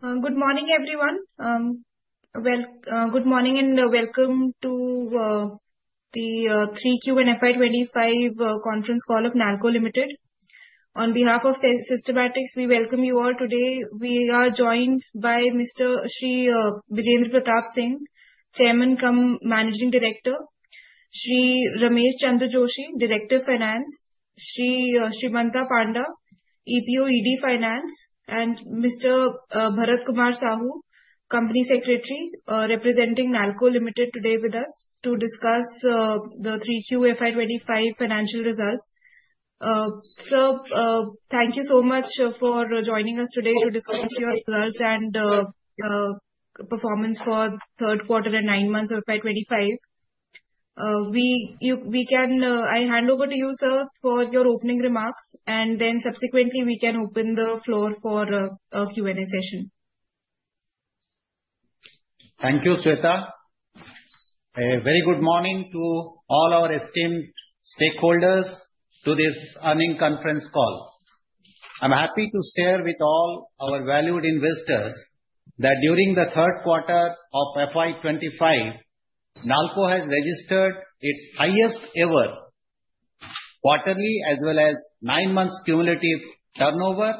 Good morning, everyone. Good morning and welcome to the 3Q and FY25 conference call of NALCO Limited. On behalf of Systematix, we welcome you all today. We are joined by Mr. Sri Brijendra Pratap Singh, Chairman-cum-Managing Director; Sri Ramesh Chandra Joshi, Director of Finance; Sri Srimanta Panda, Executive Director Finance; and Mr. Bharat Kumar Sahu, Company Secretary, representing NALCO Limited today with us to discuss the 3Q FY25 financial results. Sir, thank you so much for joining us today to discuss your results and performance for third quarter and nine months of FY25. We can hand over to you, sir, for your opening remarks, and then subsequently we can open the floor for a Q&A session. Thank you, Shweta. A very good morning to all our esteemed stakeholders to this earnings conference call. I'm happy to share with all our valued investors that during the third quarter of FY25, NALCO has registered its highest-ever quarterly as well as nine-month cumulative turnover,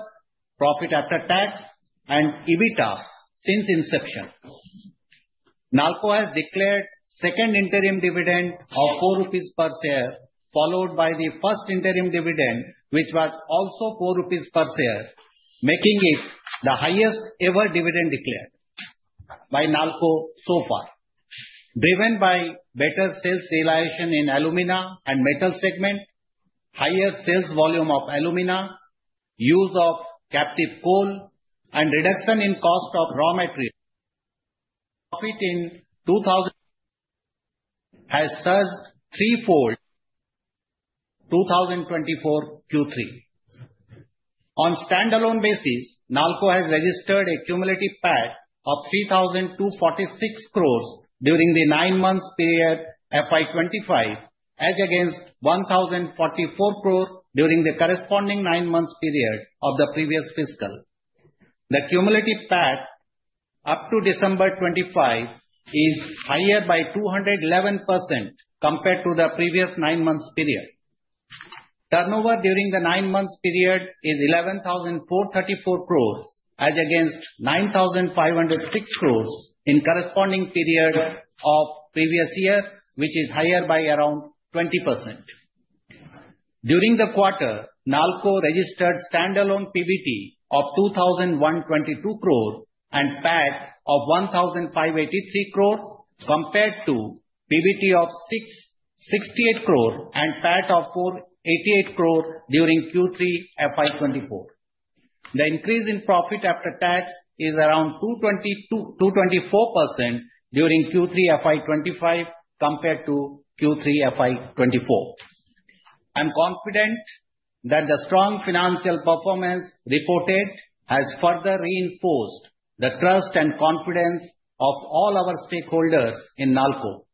profit after tax, and EBITDA since inception. NALCO has declared second interim dividend of 4 rupees per share, followed by the first interim dividend, which was also 4 rupees per share, making it the highest-ever dividend declared by NALCO so far. Driven by better sales realization in alumina and metal segment, higher sales volume of alumina, use of captive coal, and reduction in cost of raw material, profit in 2024 has surged threefold. 2024 Q3. On standalone basis, NALCO has registered a cumulative PAT of 3,246 crores during the nine-month period FY25, as against 1,044 crores during the corresponding nine-month period of the previous fiscal. The cumulative PAT up to December 25 is higher by 211% compared to the previous nine-month period. Turnover during the nine-month period is 11,434 crores, as against 9,506 crores in corresponding period of previous year, which is higher by around 20%. During the quarter, NALCO registered standalone PBT of 2,122 crores and PAT of 1,583 crores compared to PBT of 68 crores and PAT of 488 crores during Q3 FY24. The increase in profit after tax is around 224% during Q3 FY25 compared to Q3 FY24. I'm confident that the strong financial performance reported has further reinforced the trust and confidence of all our stakeholders in NALCO.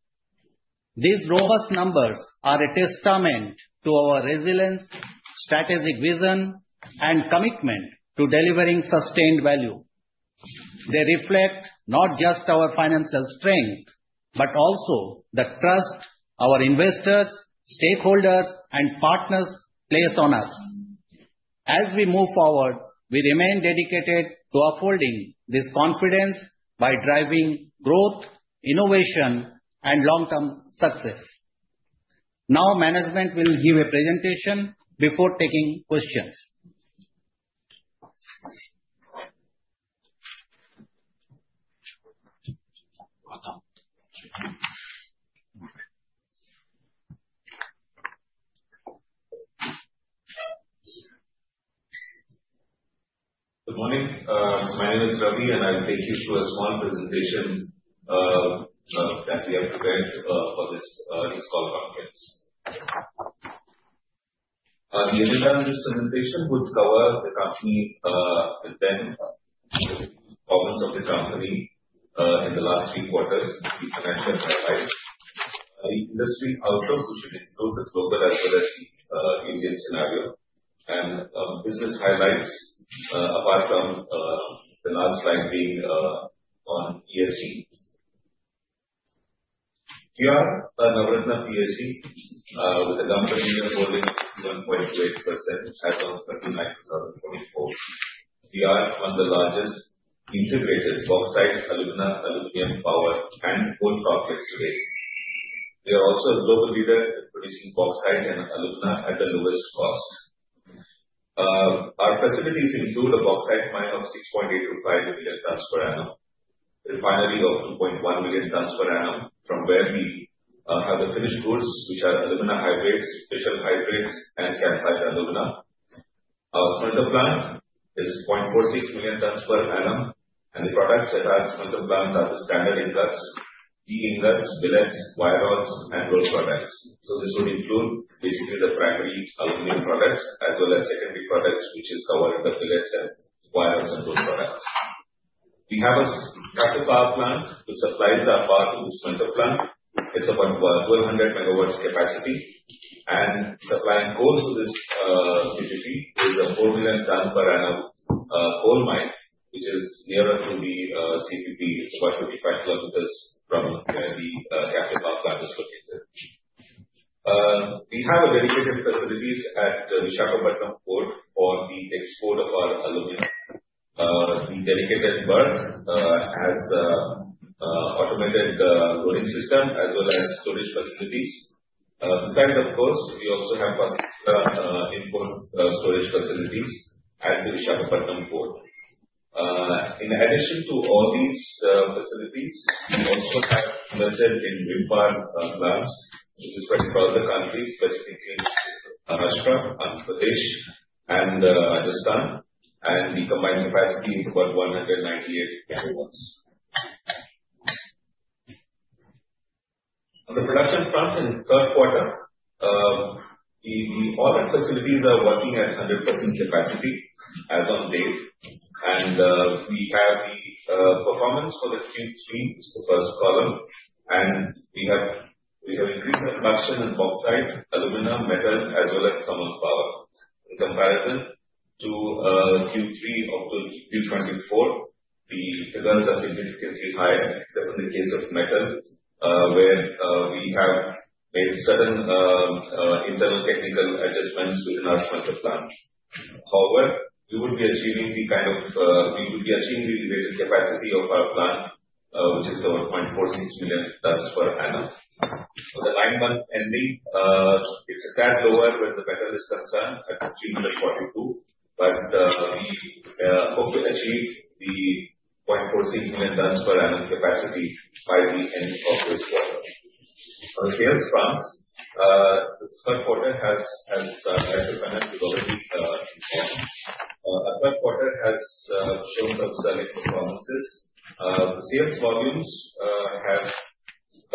These robust numbers are a testament to our resilience, strategic vision, and commitment to delivering sustained value. They reflect not just our financial strength, but also the trust our investors, stakeholders, and partners place on us. As we move forward, we remain dedicated to upholding this confidence by driving growth, innovation, and long-term success. Now, management will give a presentation before taking questions. Good morning. My name is Ravi, and I'll take you through a small presentation that we have prepared for this conference call. The presentation would cover the company's financial performance in the last three quarters, the financial highlights, the industry outlook which should include the global and Indian scenario, and business highlights apart from the last slide being on ESG. We are a Navratna PSU with the Government of India holding 51.28%, which has a 39% in 2024. We are one of the largest integrated bauxite, alumina, aluminum, power, and coal projects today. We are also a global leader in producing bauxite and alumina at the lowest cost. Our facilities include a bauxite mine of 6.825 million tons per annum, refinery of 2.1 million tons per annum, from where we have the finished goods, which are alumina hydrate, special hydrates, and calcined alumina. Our smelter plant is 0.46 million tons per annum, and the products at our smelter plant are the standard ingots, T-ingots, billets, wire rods, and rolled products. So this would include basically the primary alumina products as well as secondary products, which is covered in the billets, wire rods, and rolled products. We have a captive power plant which supplies our power to the smelter plant. It's about 1,200 megawatts capacity. And supplying coal to this CPP is a 4 million tons per annum coal mine, which is nearer to the CPP. It's about 25 km from where the captive power plant is located. We have dedicated facilities at Visakhapatnam Port for the export of our alumina. The dedicated berth has an automated loading system as well as storage facilities. Besides, of course, we also have input storage facilities at the Visakhapatnam Port. In addition to all these facilities, we also have wind power plants, which are spread throughout the country, specifically in Maharashtra, Gujarat, and Rajasthan, and the combined capacity is about 198 megawatts. On the production front, in the third quarter, all the facilities are working at 100% capacity as of date, and we have the performance for the Q3, which is the first column, and we have increased the production in bauxite, alumina, metal, as well as thermal power. In comparison to Q3 of 2024, the figures are significantly higher, except in the case of metal, where we have made certain internal technical adjustments within our smelter plant. However, we would be achieving the rated capacity of our plant, which is about 0.46 million tons per annum. For the nine-month ending, it's a tad lower when the metal is concerned at 342, but we hope to achieve the 0.46 million tons per annum capacity by the end of this quarter. On the sales front, the third quarter has been financially important. The third quarter has shown some strong performances. The sales volumes have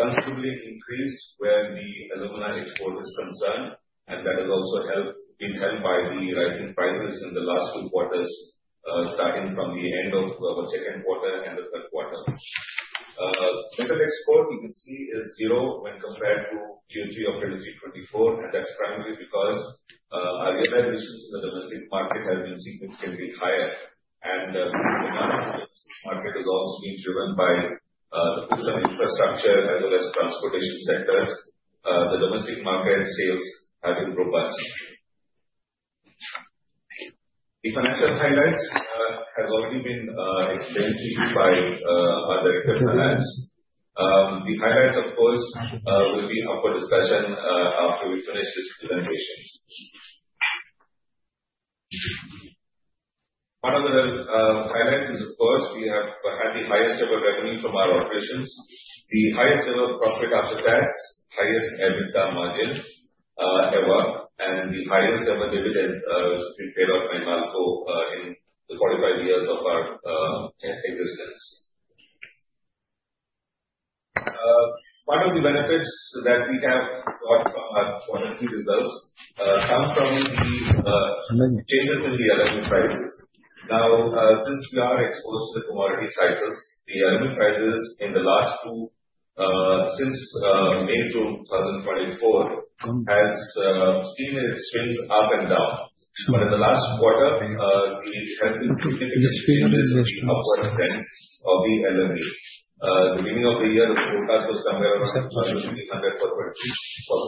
considerably increased where the alumina export is concerned, and that has also been helped by the rising prices in the last two quarters, starting from the end of the second quarter and the third quarter. Metal export, you can see, is zero when compared to Q3 of 2024, and that's primarily because our realisations in the domestic market have been significantly higher. The domestic market is also being driven by the public infrastructure as well as transportation sectors. The domestic market sales have been robust. The financial highlights have already been explained to you by our director of finance. The highlights, of course, will be up for discussion after we finish this presentation. One of the highlights is, of course, we have had the highest-ever revenue from our operations, the highest-ever profit after tax, highest EBITDA margin ever, and the highest-ever dividend we've paid out by Nalco in the 45 years of our existence. One of the benefits that we have got from our quarterly results comes from the changes in the alumina prices. Now, since we are exposed to the commodity cycles, the alumina prices in the last two since May 2024 have seen their swings up and down. But in the last quarter, there have been significant swings in the upward trend of the alumina. The beginning of the year, the quotes were somewhere around 1,300 per tonne for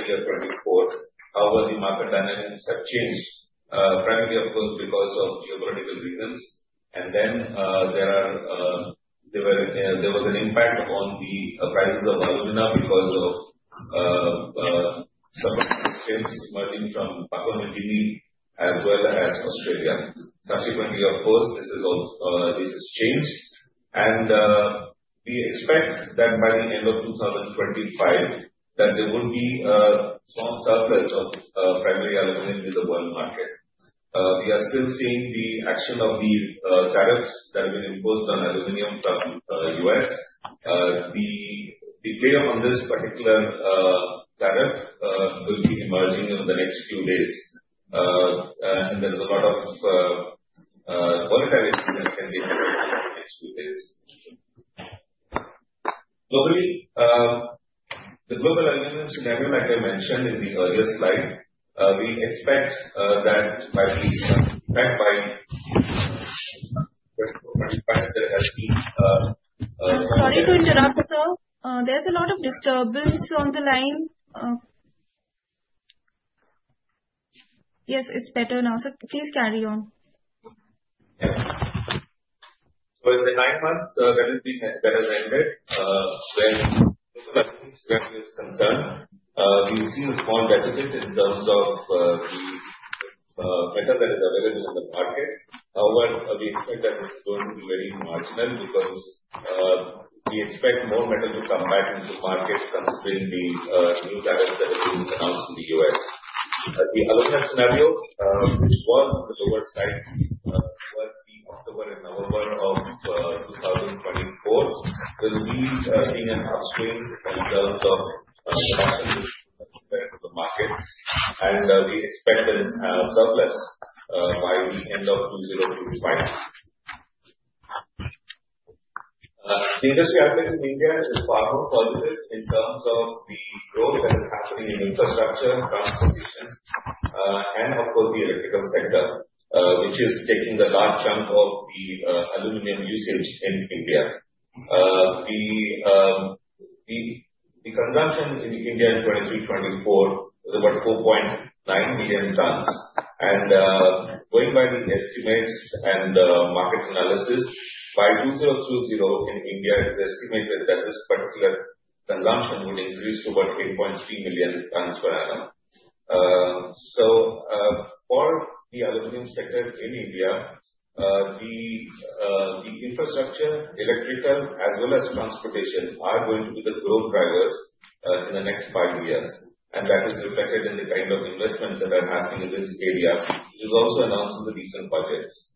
2024. However, the market dynamics have changed, primarily, of course, because of geopolitical reasons, and then there was an impact on the prices of alumina because of some of the exports emerging from Pakistan, Indonesia, as well as Australia. Subsequently, of course, this has changed, and we expect that by the end of 2025, there would be a strong surplus of primary alumina in the world market. We are still seeing the action of the tariffs that have been imposed on aluminum from the U.S. The play on this particular tariff will be emerging in the next few days. And there is a lot of volatility that can be observed in the next few days. The global alumina scenario, like I mentioned in the earlier slide, we expect that by the impact by there has been. Sorry to interrupt, sir. There's a lot of disturbance on the line. Yes, it's better now. So please carry on. So in the nine months that have ended, when global alumina scenario is concerned, we've seen a small deficit in terms of the metal that is available in the market. However, we expect that it's going to be very marginal because we expect more metal to come back into the market following the new tariffs that have been announced in the US. The alumina scenario, which was on the lower side towards the October and November of 2024, will be seeing an upswing in terms of international market, and we expect a surplus by the end of 2025. The industry outlook in India is far more positive in terms of the growth that is happening in infrastructure, transportation, and, of course, the electrical sector, which is taking the large chunk of the aluminum usage in India. The consumption in India in 2024 was about 4.9 million tons. And going by the estimates and market analysis, by 2020, in India, it is estimated that this particular consumption would increase to about 8.3 million tons per annum. So for the aluminum sector in India, the infrastructure, electrical, as well as transportation, are going to be the growth drivers in the next five years. And that is reflected in the kind of investments that are happening in this area, which is also announced in the recent budgets.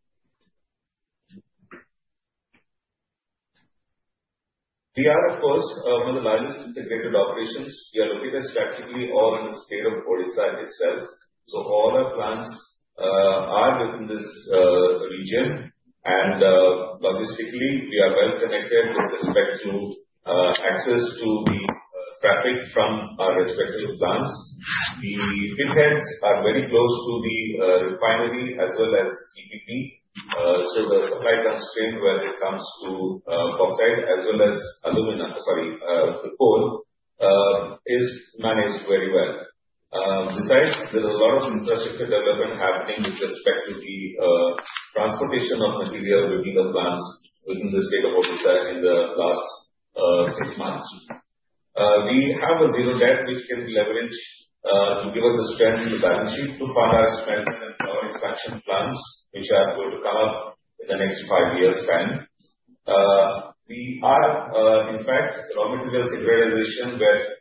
We are, of course, one of the largest integrated operations. We are located strategically all in the state of Odisha itself. So all our plants are within this region. And logistically, we are well connected with respect to access to the traffic from our respective plants. The pit heads are very close to the refinery as well as the CPP. So the supply constraint when it comes to bauxite as well as alumina, sorry, coal, is managed very well. Besides, there is a lot of infrastructure development happening with respect to the transportation of material between the plants within the state of Odisha in the last six months. We have a zero debt, which can be leveraged to give us the strength in the balance sheet to fund our expansion and power expansion plans, which are going to come up in the next five years' time. We are, in fact, raw materials securitization where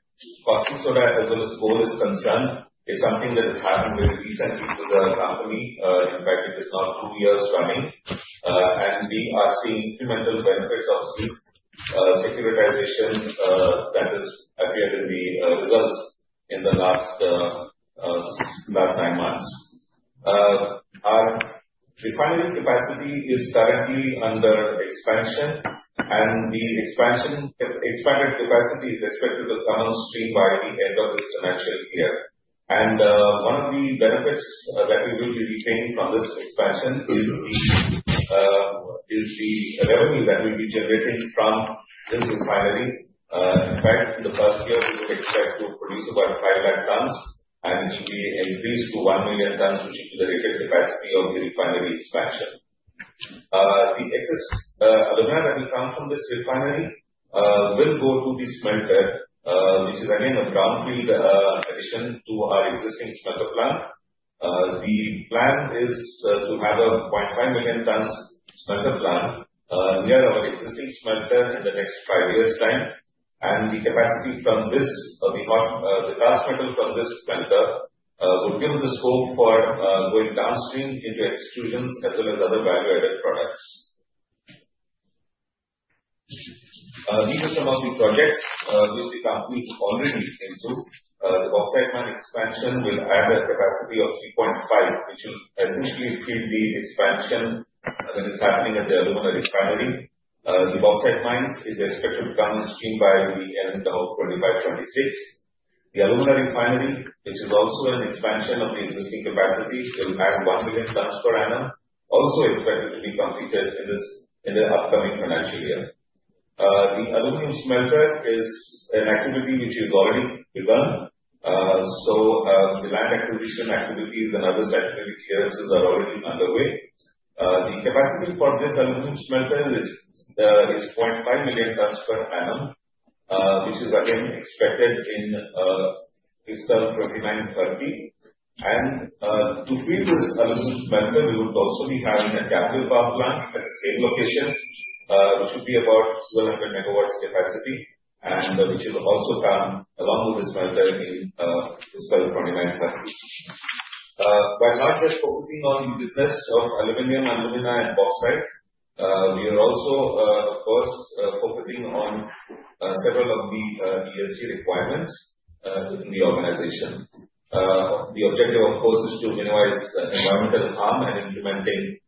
coal as well as coal is concerned is something that has happened very recently to the company. In fact, it is now two years running. And we are seeing incremental benefits of this securitization that has appeared in the results in the last nine months. Our refinery capacity is currently under expansion. The expanded capacity is expected to come on stream by the end of this financial year. One of the benefits that we will be retaining from this expansion is the revenue that we'll be generating from this refinery. In fact, in the first year, we would expect to produce about five lakh tons, and it will be increased to one million tons, which is the rated capacity of the refinery expansion. The excess alumina that will come from this refinery will go to the smelter, which is, again, a brownfield addition to our existing smelter plant. The plan is to have a 0.5 million tons smelter plant near our existing smelter in the next five years' time. The capacity from this, the cast metal from this smelter, would give us the scope for going downstream into extrusions as well as other value-added products. These are some of the projects which the company is already into. The bauxite mine expansion will add a capacity of 3.5, which will essentially feed the expansion that is happening at the alumina refinery. The bauxite mines is expected to come on stream by the end of 2026. The alumina refinery, which is also an expansion of the existing capacity, will add 1 million tons per annum, also expected to be completed in the upcoming financial year. The aluminum smelter is an activity which is already begun. So the land acquisition activities and other sector clearances are already underway. The capacity for this aluminum smelter is 0.5 million tons per annum, which is, again, expected in fiscal 2030. To feed this aluminum smelter, we would also be having a captive power plant at the same location, which would be about 1200 megawatts capacity, and which will also come along with the smelter in fiscal 2030. While not yet focusing on the business of aluminum, alumina, and bauxite, we are also, of course, focusing on several of the ESG requirements within the organization. The objective, of course, is to minimize environmental harm and implementing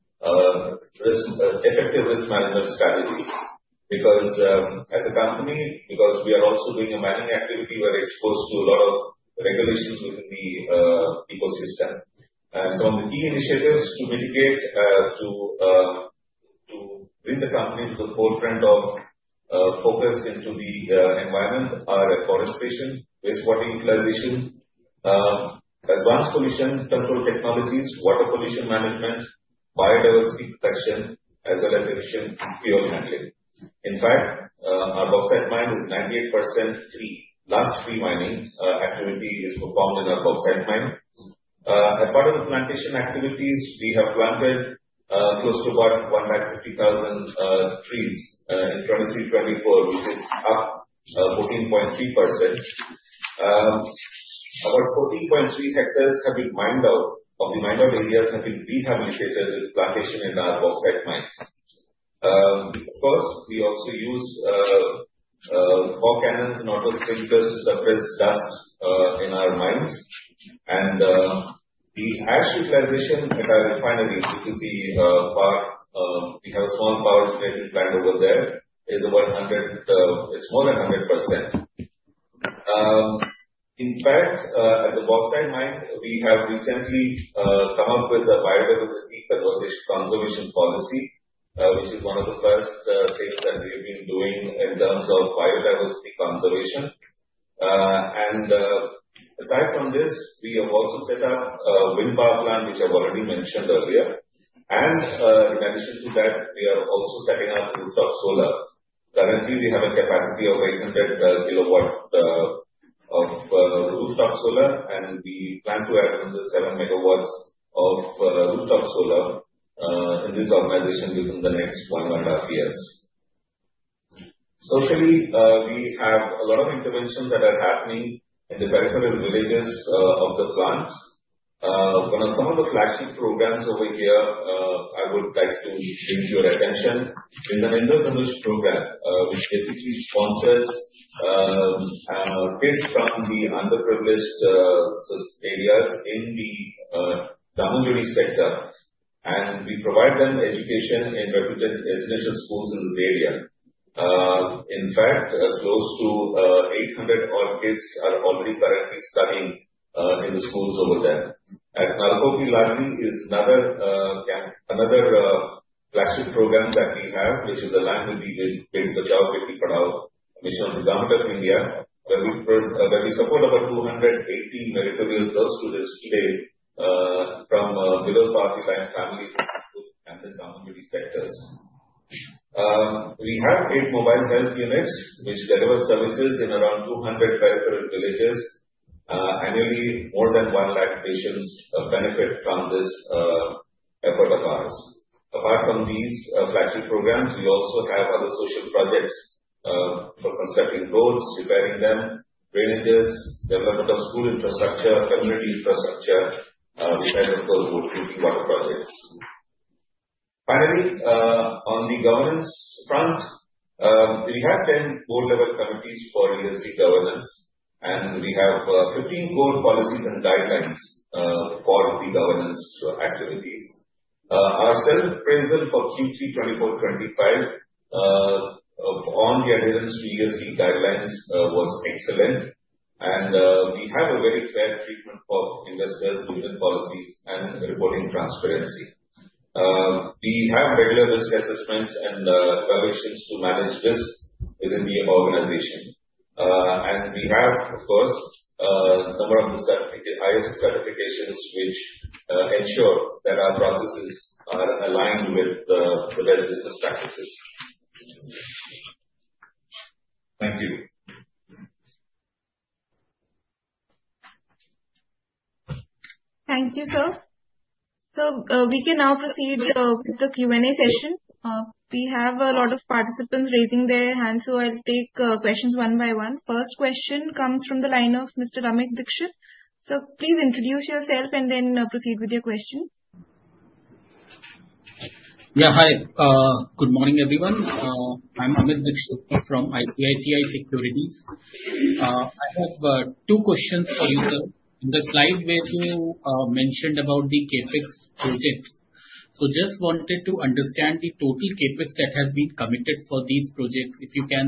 effective risk management strategies because, as a company, we are also doing a mining activity where we're exposed to a lot of regulations within the ecosystem. Some of the key initiatives to mitigate to bring the company to the forefront of focus into the environment are afforestation, wastewater utilization, advanced pollution control technologies, water pollution management, biodiversity protection, as well as efficient fuel handling. In fact, our bauxite mine is 98% free. Latest mining activity is performed in our bauxite mine. As part of the plantation activities, we have planted close to about 150,000 trees in 2023-24, which is up 14.3%. About 14.3 hectares have been mined out. The mined-out areas have been rehabilitated with plantation in our bauxite mines. Of course, we also use fog cannons, Nelson sprinklers to suppress dust in our mines, and the ash utilization at our refineries, which is the part we have a small power generating plant over there, is about 100%. It's more than 100%. In fact, at the bauxite mine, we have recently come up with a biodiversity conservation policy, which is one of the first things that we have been doing in terms of biodiversity conservation, and aside from this, we have also set up a wind power plant, which I've already mentioned earlier. In addition to that, we are also setting up rooftop solar. Currently, we have a capacity of 800 kilowatts of rooftop solar, and we plan to add another seven megawatts of rooftop solar in this organization within the next one and a half years. Socially, we have a lot of interventions that are happening in the peripheral villages of the plants. One of some of the flagship programs over here I would like to bring to your attention is an interprofessional program, which basically sponsors kids from the underprivileged areas in the Damanjodi sector. We provide them education in reputed international schools in this area. In fact, close to 800-odd kids are already currently studying in the schools over there. Nalco Ki Ladli is another flagship program that we have, which is aligned with the 20 Point Programme of the Government of India, where we support about 280 meritorious girls to this day from below poverty line families and the Damanjodi sectors. We have eight mobile health units, which deliver services in around 200 peripheral villages. Annually, more than 1 lakh patients benefit from this effort of ours. Apart from these flagship programs, we also have other social projects for constructing roads, repairing them, drainages, development of school infrastructure, community infrastructure, which has, of course, water projects. Finally, on the governance front, we have 10 board-level committees for ESG governance. We have 15 core policies and guidelines for the governance activities. Our self-appraisal for Q3 2024-25 on the adherence to ESG guidelines was excellent. We have a very fair treatment for investors, government policies, and reporting transparency. We have regular risk assessments and evaluations to manage risk within the organization, and we have, of course, a number of ISO certifications, which ensure that our processes are aligned with the best business practices. Thank you. Thank you, sir. So we can now proceed with the Q&A session. We have a lot of participants raising their hands, so I'll take questions one by one. First question comes from the line of Mr. Amit Dixit. So please introduce yourself and then proceed with your question. Yeah, hi. Good morning, everyone. I'm Amit Dixit from ICICI Securities. I have two questions for you, sir. In the slide where you mentioned about the CapEx projects, so just wanted to understand the total CapEx that has been committed for these projects. If you can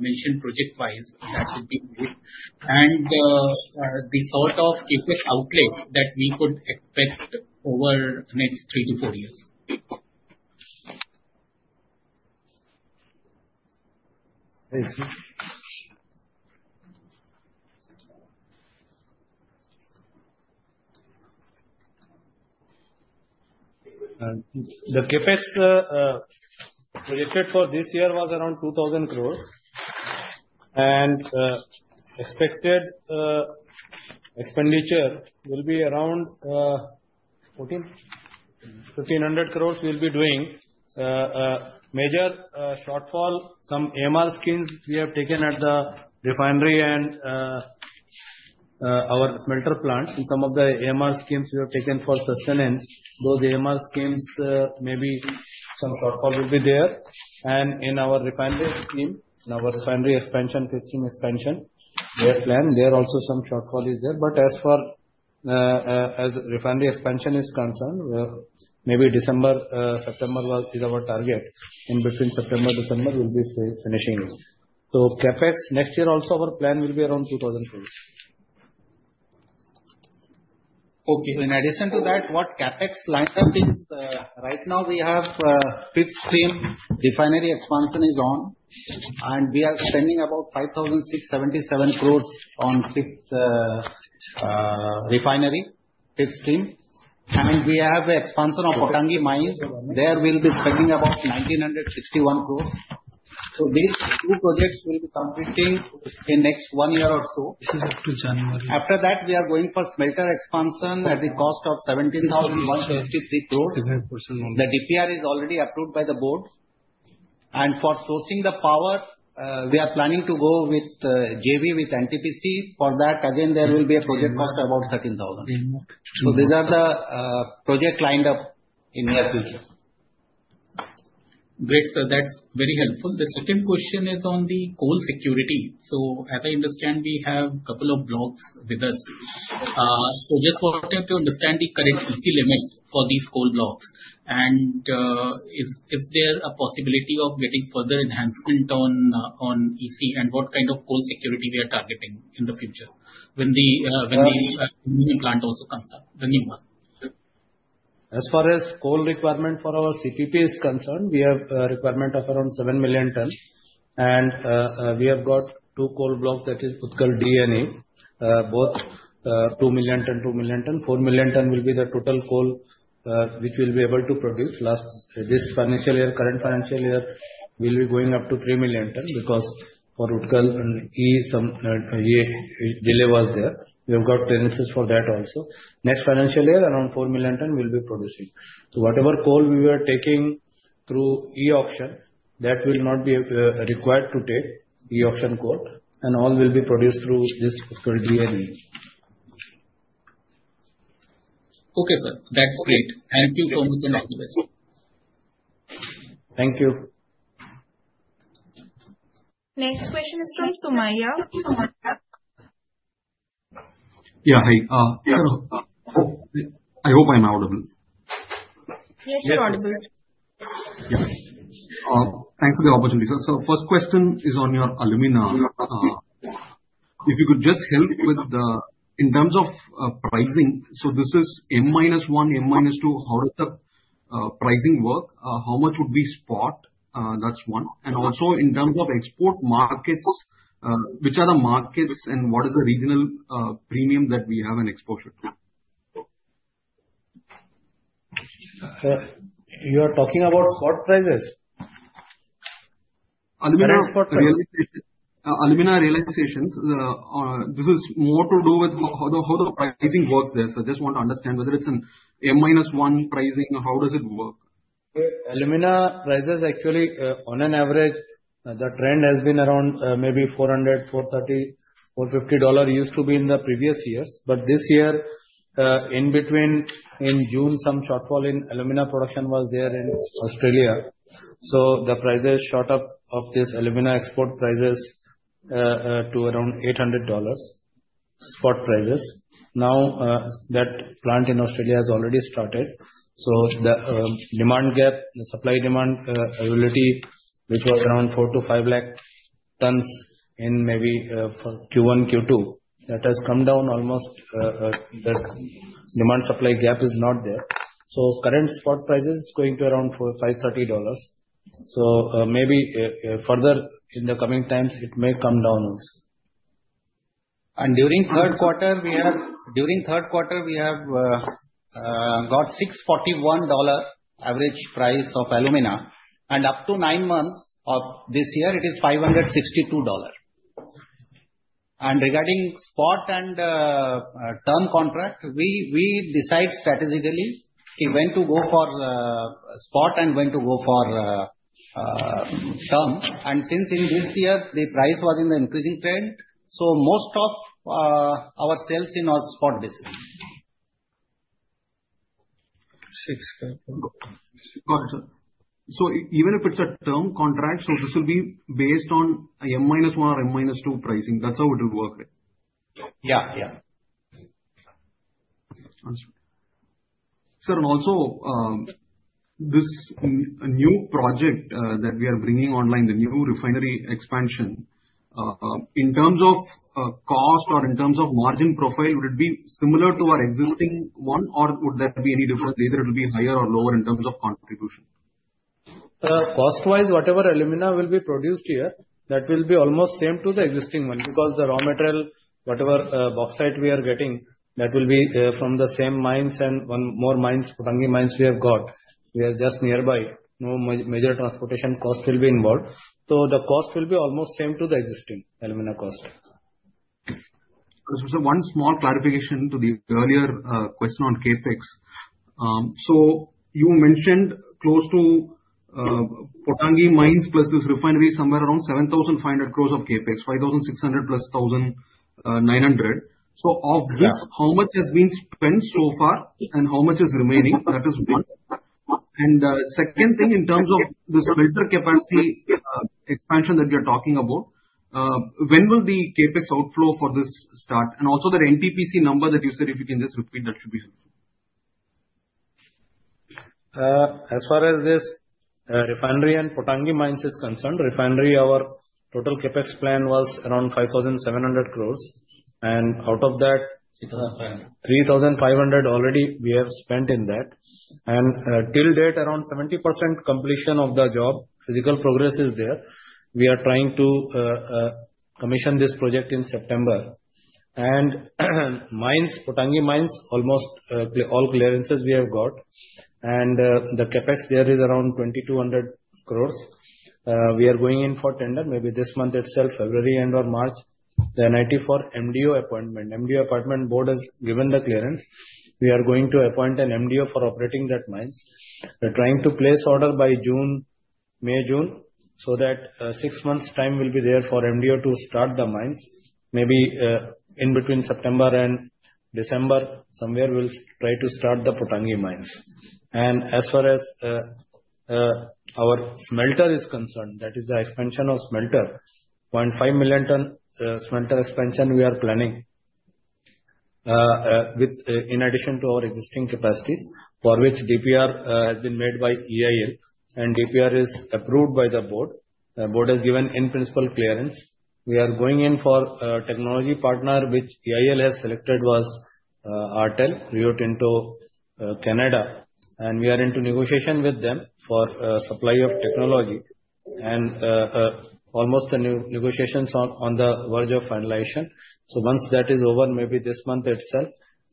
mention project-wise, that would be good. And the sort of CapEx outlay that we could expect over the next three to four years. Thanks. The CapEx projected for this year was around 2,000 crores, and expected expenditure will be around 1,500 crores we'll be doing. Major shortfall, some AMR schemes we have taken at the refinery and our smelter plant. In some of the AMR schemes we have taken for sustenance, those AMR schemes, maybe some shortfall will be there. And in our refinery scheme, in our refinery expansion, fifth expansion, we have planned. There are also some shortfalls there. However, as for refinery expansion is concerned, maybe December, September is our target. In between September, December, we'll be finishing it. Therefore, CapEx next year also our plan will be around 2,000 crores. Okay. In addition to that, what CapEx lineup is right now, we have fifth stream. Refinery expansion is on. And we are spending about 5,677 crores on fifth refinery, fifth stream. And we have expansion of Pottangi mines. There will be spending about 1,961 crores. So these two projects will be completing in next one year or so. This is up to January. After that, we are going for smelter expansion at the cost of 17,153 crores. The DPR is already approved by the board. And for sourcing the power, we are planning to go with JV with NTPC. For that, again, there will be a project cost of about 13,000. So these are the project lineup in the future. Great, sir. That's very helpful. The second question is on the coal security. So as I understand, we have a couple of blocks with us. So just wanted to understand the current EC limit for these coal blocks. And is there a possibility of getting further enhancement on EC and what kind of coal security we are targeting in the future when the aluminum plant also comes up, the new one? As far as coal requirement for our CPP is concerned, we have a requirement of around 7 million tons. We have got two coal blocks, that is Utkal D & E, both 2 million ton, 2 million ton. 4 million ton will be the total coal which we'll be able to produce at least this financial year. Current financial year will be going up to 3 million ton because for Utkal D and E, some delay was there. We have got clearances for that also. Next financial year, around 4 million ton will be producing. Whatever coal we were taking through E-auction, that will not be required to take E-auction coal. All will be produced through this Utkal D & E. Okay, sir. That's great. Thank you so much for the information. Thank you. Next question is from Sumayya. Yeah, hi. Sir, I hope I'm audible. Yes, you're audible. Yes. Thanks for the opportunity, sir. So first question is on your alumina. If you could just help with the in terms of pricing, so this is M minus one, M minus two, how does the pricing work? How much would we spot? That's one. And also in terms of export markets, which are the markets and what is the regional premium that we have an exposure to? You are talking about spot prices? Alumina spot prices. Alumina realizations, this is more to do with how the pricing works there. So I just want to understand whether it's an M minus one pricing or how does it work? Alumina prices actually, on an average, the trend has been around maybe $400, $430, $450 used to be in the previous years. But this year, in between, in June, some shortfall in alumina production was there in Australia. So the prices shot up of this alumina export prices to around $800 spot prices. Now that plant in Australia has already started. So the demand gap, the supply demand ability, which was around 4 to 5 lakh tons in maybe Q1, Q2, that has come down almost. The demand-supply gap is not there. So current spot price is going to around $530. So maybe further in the coming times, it may come down also. And during third quarter, we have got $641 average price of alumina. And up to nine months of this year, it is $562. Regarding spot and term contract, we decide strategically when to go for spot and when to go for term. Since in this year, the price was in the increasing trend, so most of our sales in our spot basis. Six. Got it, sir. So even if it's a term contract, so this will be based on M minus one or M minus two pricing. That's how it will work, right? Yeah, yeah. Understood. Sir, and also this new project that we are bringing online, the new refinery expansion, in terms of cost or in terms of margin profile, would it be similar to our existing one, or would there be any difference? Either it will be higher or lower in terms of contribution? Cost-wise, whatever alumina will be produced here, that will be almost same to the existing one because the raw material, whatever bauxite we are getting, that will be from the same mines and one more mines, Pottangi mines we have got. We are just nearby. No major transportation cost will be involved. So the cost will be almost same to the existing alumina cost. Sir, one small clarification to the earlier question on CapEx. So you mentioned close to Pottangi mines plus this refinery, somewhere around 7,500 crores of CapEx, 5,600 plus 1,900. So of this, how much has been spent so far and how much is remaining? That is one. And second thing, in terms of the smelter capacity expansion that we are talking about, when will the CapEx outflow for this start? And also the NTPC number that you said, if you can just repeat, that should be helpful. As far as this refinery and Pottangi mines is concerned, refinery, our total CapEx plan was around 5,700 crores. And out of that, 3,500 already we have spent in that. And till date, around 70% completion of the job, physical progress is there. We are trying to commission this project in September. And mines, Pottangi mines, almost all clearances we have got. And the CapEx there is around 2,200 crores. We are going in for tender, maybe this month itself, February end or March, the NIT for MDO appointment. MDO appointment board has given the clearance. We are going to appoint an MDO for operating that mines. We're trying to place order by May, June, so that six months' time will be there for MDO to start the mines. Maybe in between September and December, somewhere we'll try to start the Pottangi mines. As far as our smelter is concerned, that is the expansion of smelter, 0.5-million-ton smelter expansion we are planning in addition to our existing capacities, for which DPR has been made by EIL. DPR is approved by the board. The board has given in-principle clearance. We are going in for technology partner, which EIL has selected, AP Tech, Rio Tinto, Canada. We are into negotiation with them for supply of technology. Almost the negotiations are on the verge of finalization. Once that is over, maybe this month itself,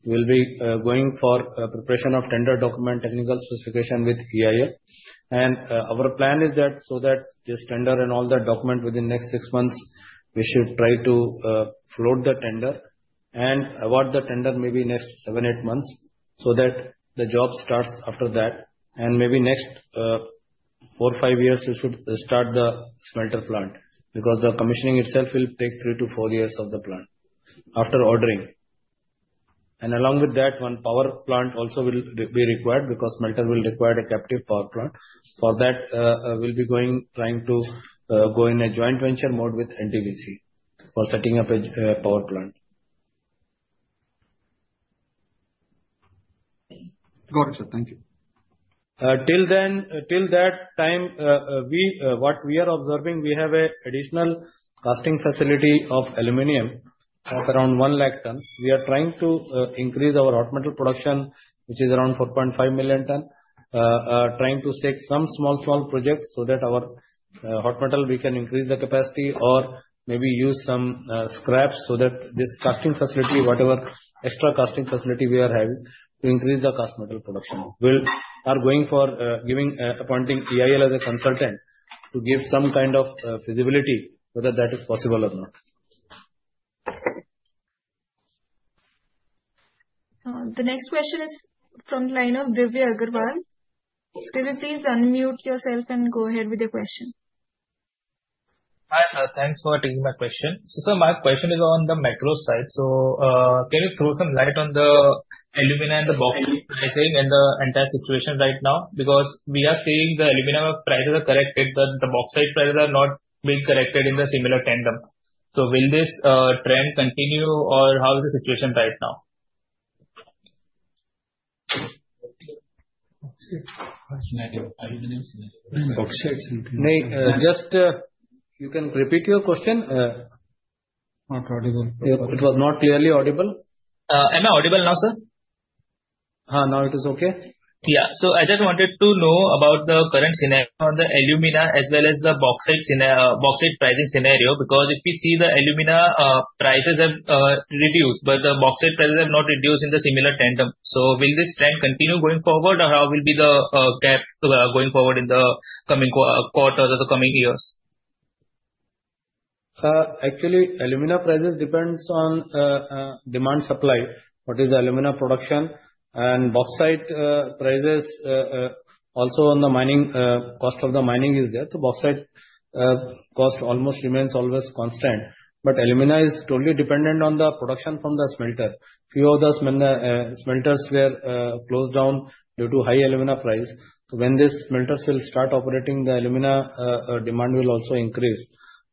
we'll be going for preparation of tender document, technical specification with EIL. Our plan is that so that this tender and all the document within next six months, we should try to float the tender and award the tender maybe next 7-8 months so that the job starts after that. And maybe next four, five years, we should start the smelter plant because the commissioning itself will take three to four years of the plant after ordering. And along with that, one power plant also will be required because smelter will require a captive power plant. For that, we'll be trying to go in a joint venture mode with NTPC for setting up a power plant. Got it, sir. Thank you. Till that time, what we are observing, we have an additional casting facility of aluminum of around 1 lakh tons. We are trying to increase our hot metal production, which is around 4.5 million tons, trying to take some small, small projects so that our hot metal, we can increase the capacity or maybe use some scraps so that this casting facility, whatever extra casting facility we are having to increase the cast metal production. We are going for appointing EIL as a consultant to give some kind of feasibility, whether that is possible or not. The next question is from the line of Divya Agarwal. Divya, please unmute yourself and go ahead with the question. Hi sir, thanks for taking my question. So sir, my question is on the alumina side. So can you throw some light on the alumina and the bauxite pricing and the entire situation right now? Because we are seeing the alumina prices are corrected, but the bauxite prices are not being corrected in the similar tandem. So will this trend continue or how is the situation right now? Just, you can repeat your question. Not audible. It was not clearly audible. Am I audible now, sir? Ha, now it is okay. Yeah. So I just wanted to know about the current scenario on the alumina as well as the bauxite pricing scenario because if we see the alumina prices have reduced, but the bauxite prices have not reduced in the similar tandem. So will this trend continue going forward or how will be the gap going forward in the coming quarters or the coming years? Actually, alumina prices depends on demand-supply, what is the alumina production, and bauxite prices also on the mining cost of the mining is there, so bauxite cost almost remains always constant, but alumina is totally dependent on the production from the smelter. Few of the smelters were closed down due to high alumina price, so when these smelters will start operating, the alumina demand will also increase,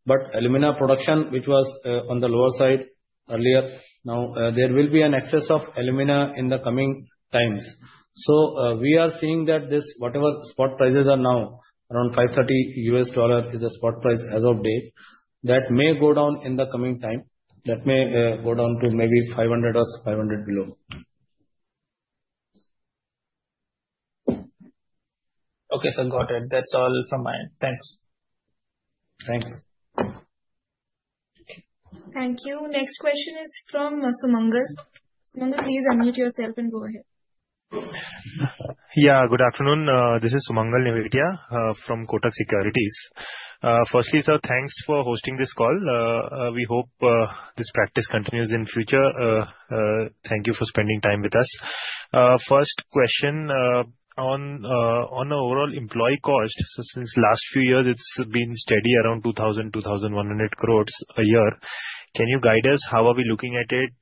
but alumina production, which was on the lower side earlier, now there will be an excess of alumina in the coming times, so we are seeing that whatever spot prices are now, around $530 is the spot price as of date. That may go down in the coming time, that may go down to maybe $500 or $500 below. Okay, sir, got it. That's all from mine. Thanks. Thanks. Thank you. Next question is from Sumangal. Sumangal, please unmute yourself and go ahead. Yeah, good afternoon. This is Sumangal Nevatia from Kotak Securities. Firstly, sir, thanks for hosting this call. We hope this practice continues in future. Thank you for spending time with us. First question, on the overall employee cost, so since last few years, it's been steady around 2,000-2,100 crores a year. Can you guide us how are we looking at it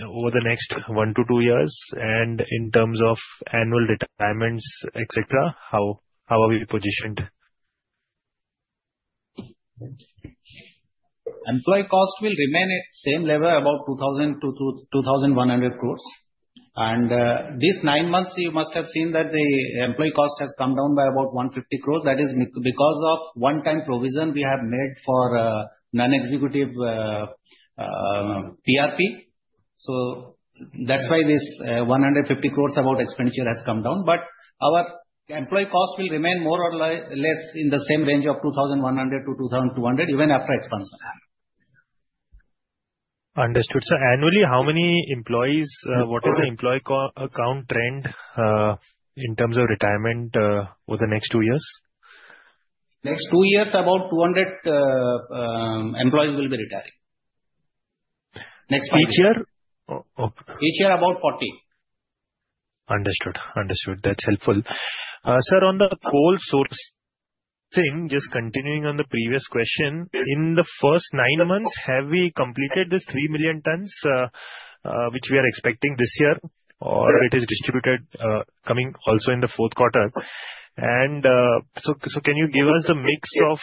over the next one to two years? And in terms of annual retirements, etc., how are we positioned? Employee cost will remain at same level, about 2,000-2,100 crores. And these nine months, you must have seen that the employee cost has come down by about 150 crores. That is because of one-time provision we have made for non-executive PRP. So that's why this 150 crores about expenditure has come down. But our employee cost will remain more or less in the same range of 2,100-2,200, even after expansion. Understood. So annually, how many employees, what is the employee count trend in terms of retirement over the next two years? Next two years, about 200 employees will be retiring. Each year? Each year, about 40. Understood. Understood. That's helpful. Sir, on the coal sourcing, just continuing on the previous question, in the first nine months, have we completed this 3 million tons, which we are expecting this year, or it is distributed coming also in the fourth quarter? And so can you give us the mix of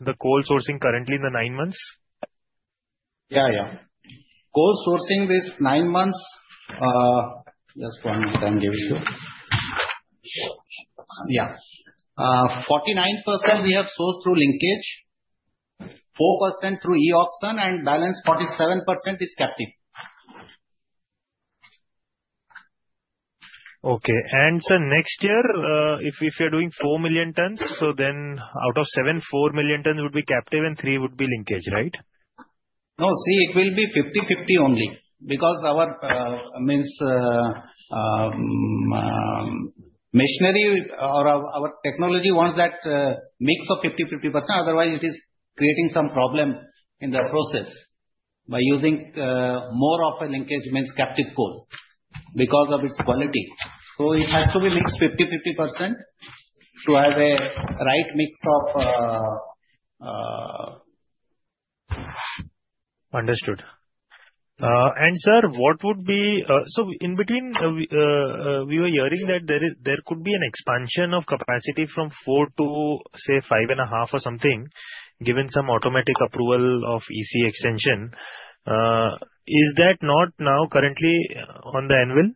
the coal sourcing currently in the nine months? Yeah, yeah. Coal sourcing this nine months, just one more time give it to you. Yeah. 49% we have sourced through linkage, 4% through E-auction, and balance 47% is captive. Okay. And sir, next year, if you're doing four million tons, so then out of seven, four million tons would be captive and three would be linkage, right? No, see, it will be 50-50 only because our machinery or our technology wants that mix of 50%-50%. Otherwise, it is creating some problem in the process by using more of a linkage means captive coal because of its quality. So it has to be mixed 50%-50% to have a right mix of. Understood. Sir, what would be so in between? We were hearing that there could be an expansion of capacity from four to, say, five and a half or something, given some automatic approval of EC extension. Is that not now currently on the anvil?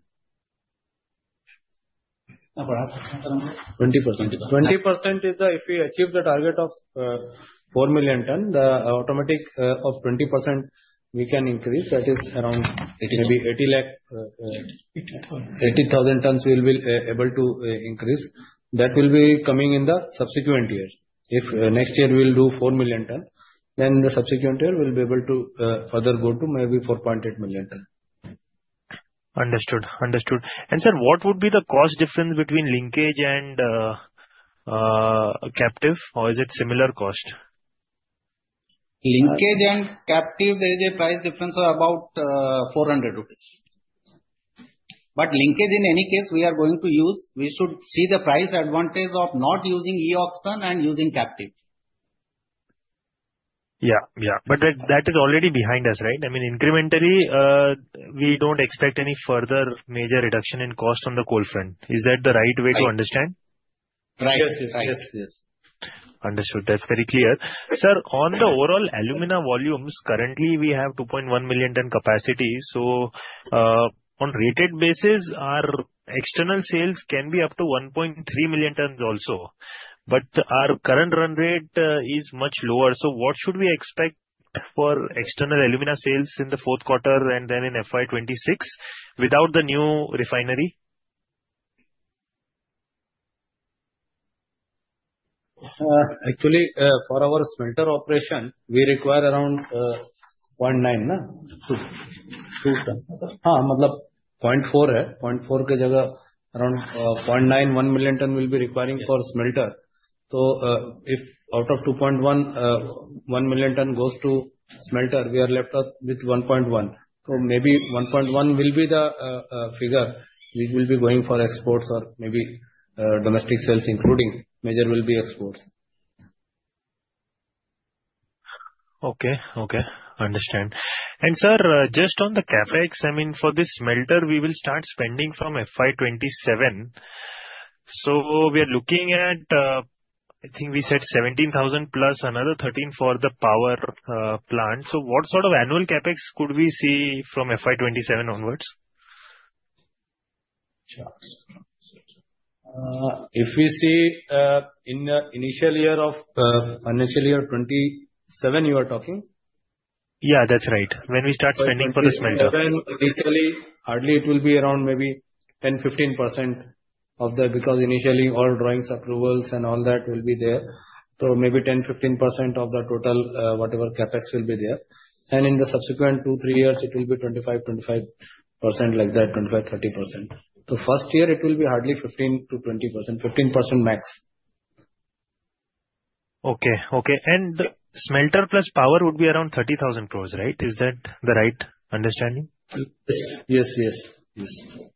20%. 20% is there if we achieve the target of 4 million tons, then automatic 20% we can increase. That is around maybe 8 lakh. 800,000 tons we will be able to increase. That will be coming in the subsequent year. If next year we'll do 4 million tons, then the subsequent year we'll be able to further go to maybe 4.8 million tons. Understood. Understood. And sir, what would be the cost difference between linkage and captive or is it similar cost? Linkage and Captive, there is a price difference of about 400 rupees. But Linkage, in any case we are going to use, we should see the price advantage of not using E-auction and using Captive. Yeah, yeah. But that is already behind us, right? I mean, incrementally, we don't expect any further major reduction in cost on the coal front. Is that the right way to understand? Right. Yes, yes, yes. Understood. That's very clear. Sir, on the overall alumina volumes, currently we have 2.1 million tons capacity. So on rated basis, our external sales can be up to 1.3 million tons also. But our current run rate is much lower. So what should we expect for external alumina sales in the fourth quarter and then in FY26 without the new refinery? Actually, for our smelter operation, we require around 0.9. Ha, matlab 0.4. 0.4 ke jagah around 0.91 million ton will be requiring for smelter. So if out of 2.1, 1 million ton goes to smelter, we are left with 1.1. So maybe 1.1 will be the figure which will be going for exports or maybe domestic sales, including major will be exports. Okay, okay. Understood. And sir, just on the CapEx, I mean, for this smelter, we will start spending from FY27. So we are looking at, I think we said 17,000 plus another 13 for the power plant. So what sort of annual CapEx could we see from FY27 onwards? If we see in the initial year of financial year 27, you are talking? Yeah, that's right. When we start spending for the smelter. Hardly, it will be around maybe 10-15% of the total because initially all drawings, approvals, and all that will be there, so maybe 10-15% of the total whatever CapEx will be there, and in the subsequent two, three years, it will be 25, 25% like that, 25-30%, so first year, it will be hardly 15-20%, 15% max. Okay, okay. Smelter plus power would be around 30,000 crores, right? Is that the right understanding? Yes, yes, yes.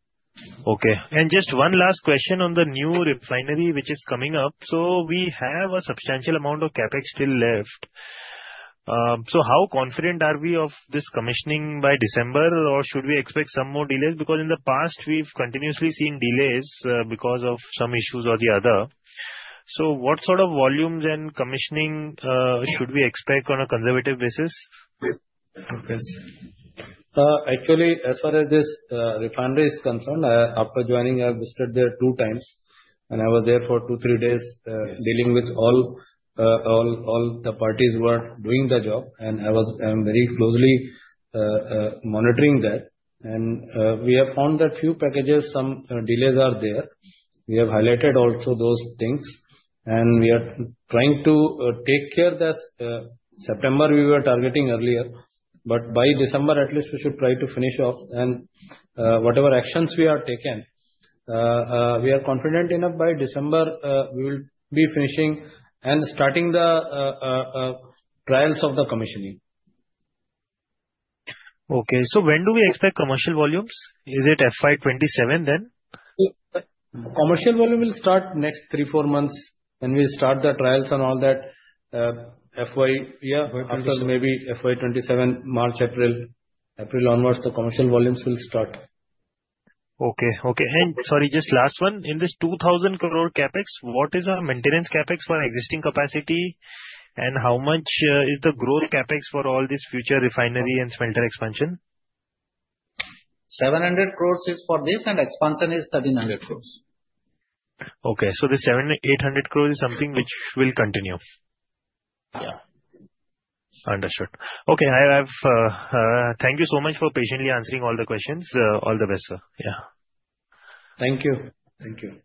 Okay. And just one last question on the new refinery, which is coming up. So we have a substantial amount of CapEx still left. So how confident are we of this commissioning by December, or should we expect some more delays? Because in the past, we've continuously seen delays because of some issues or the other. So what sort of volumes and commissioning should we expect on a conservative basis? Actually, as far as this refinery is concerned, after joining, I visited there two times, and I was there for two, three days dealing with all the parties who are doing the job. And I am very closely monitoring that. And we have found that few packages, some delays are there. We have highlighted also those things. And we are trying to take care that September we were targeting earlier. But by December, at least we should try to finish off. And whatever actions we are taken, we are confident enough by December we will be finishing and starting the trials of the commissioning. Okay. So when do we expect commercial volumes? Is it FY27 then? Commercial volume will start next three, four months when we start the trials and all that. Yeah, maybe FY27, March, April. April onwards, the commercial volumes will start. Okay, okay. And sorry, just last one. In this 2,000 crore CapEx, what is our maintenance CapEx for existing capacity? And how much is the growth CapEx for all this future refinery and smelter expansion? 700 crores is for this, and expansion is 1,300 crores. Okay, so the 800 crores is something which will continue? Yeah. Understood. Okay. Thank you so much for patiently answering all the questions. All the best, sir. Yeah. Thank you. Thank you.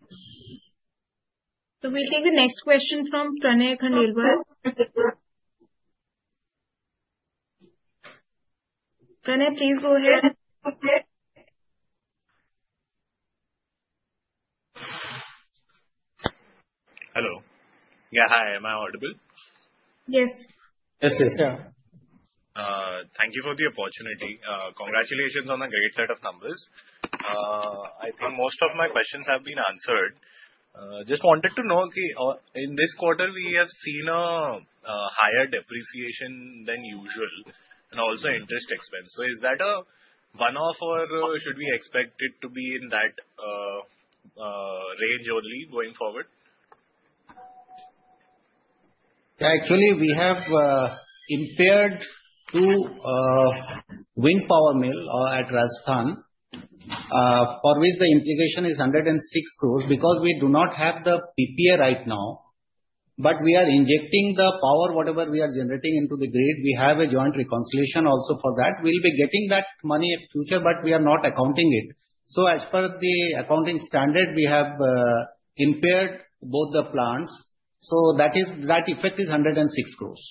We'll take the next question from Pranay Khandelwal. Pranay, please go ahead. Hello. Yeah, hi. Am I audible? Yes. Yes, yes. Thank you for the opportunity. Congratulations on a great set of numbers. I think most of my questions have been answered. Just wanted to know, in this quarter, we have seen a higher depreciation than usual and also interest expense. So is that a one-off or should we expect it to be in that range only going forward? Yeah, actually, we have impaired two wind power plants at Rajasthan, for which the impairment is 106 crores because we do not have the PPA right now. But we are injecting the power, whatever we are generating into the grid. We have a joint reconciliation also for that. We'll be getting that money in future, but we are not accounting it. So as per the accounting standard, we have impaired both the plants. So that effect is 106 crores.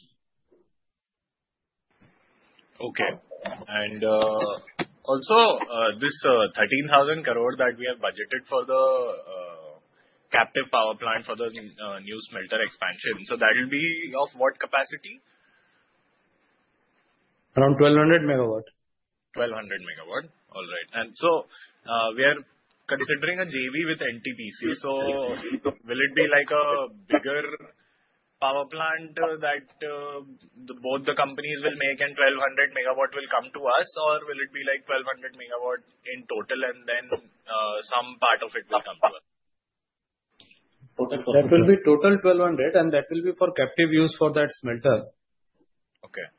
Okay. And also, this 13,000 crore that we have budgeted for the captive power plant for the new smelter expansion, so that will be of what capacity? Around 1,200 megawatt. 1,200 megawatt. All right. And so we are considering a JV with NTPC. So will it be like a bigger power plant that both the companies will make and 1,200 megawatt will come to us, or will it be like 1,200 megawatt in total and then some part of it will come to us? That will be total 1,200, and that will be for captive use for that smelter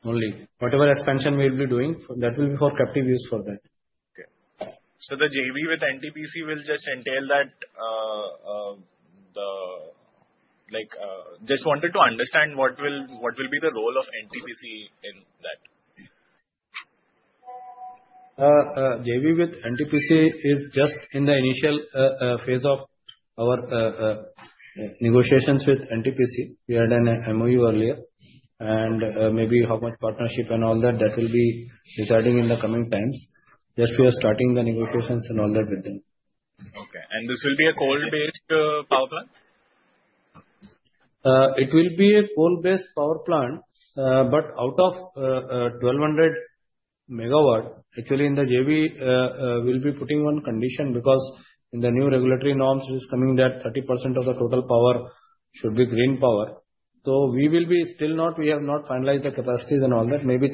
only. Whatever expansion we'll be doing, that will be for captive use for that. Okay. So the JV with NTPC will just entail that? Just wanted to understand what will be the role of NTPC in that? JV with NTPC is just in the initial phase of our negotiations with NTPC. We had an MOU earlier. And maybe how much partnership and all that, that will be deciding in the coming times. Just we are starting the negotiations and all that with them. Okay, and this will be a coal-based power plant? It will be a coal-based power plant. But out of 1,200 megawatt, actually, in the JV, we'll be putting one condition because in the new regulatory norms, it is coming that 30% of the total power should be green power. So we have not finalized the capacities and all that. Maybe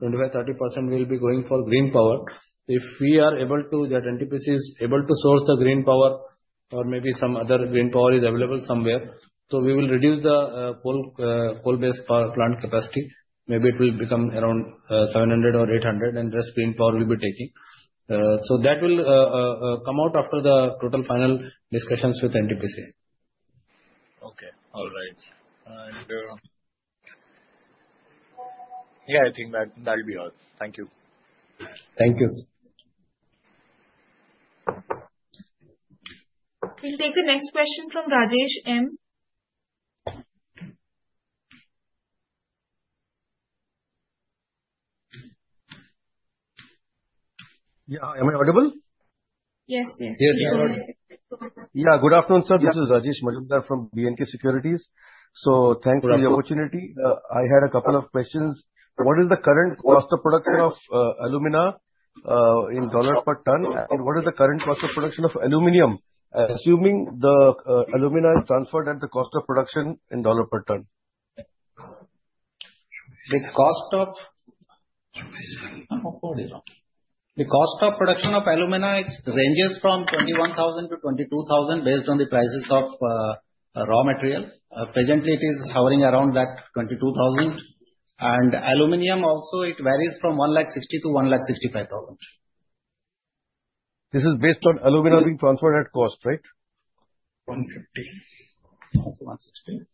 25, 30% will be going for green power. If we are able to that NTPC is able to source the green power or maybe some other green power is available somewhere, so we will reduce the coal-based power plant capacity. Maybe it will become around 700 or 800, and just green power we'll be taking. So that will come out after the total final discussions with NTPC. Okay. All right. Yeah, I think that'll be all. Thank you. Thank you. We'll take the next question from Rajesh M. Yeah. Am I audible? Yes, yes. Yes, you're audible. Yeah. Good afternoon, sir. This is Rajesh Majumdar from B&K Securities. So thanks for the opportunity. I had a couple of questions. What is the current cost of production of alumina in dollars per ton, and what is the current cost of production of aluminum, assuming the alumina is transferred at the cost of production in dollars per ton? The cost of production of alumina ranges from INR 21,000-INR 22,000 based on the prices of raw material. Presently, it is hovering around that 22,000. And aluminum also, it varies from 160,000-165,000. This is based on alumina being transferred at cost, right? 160.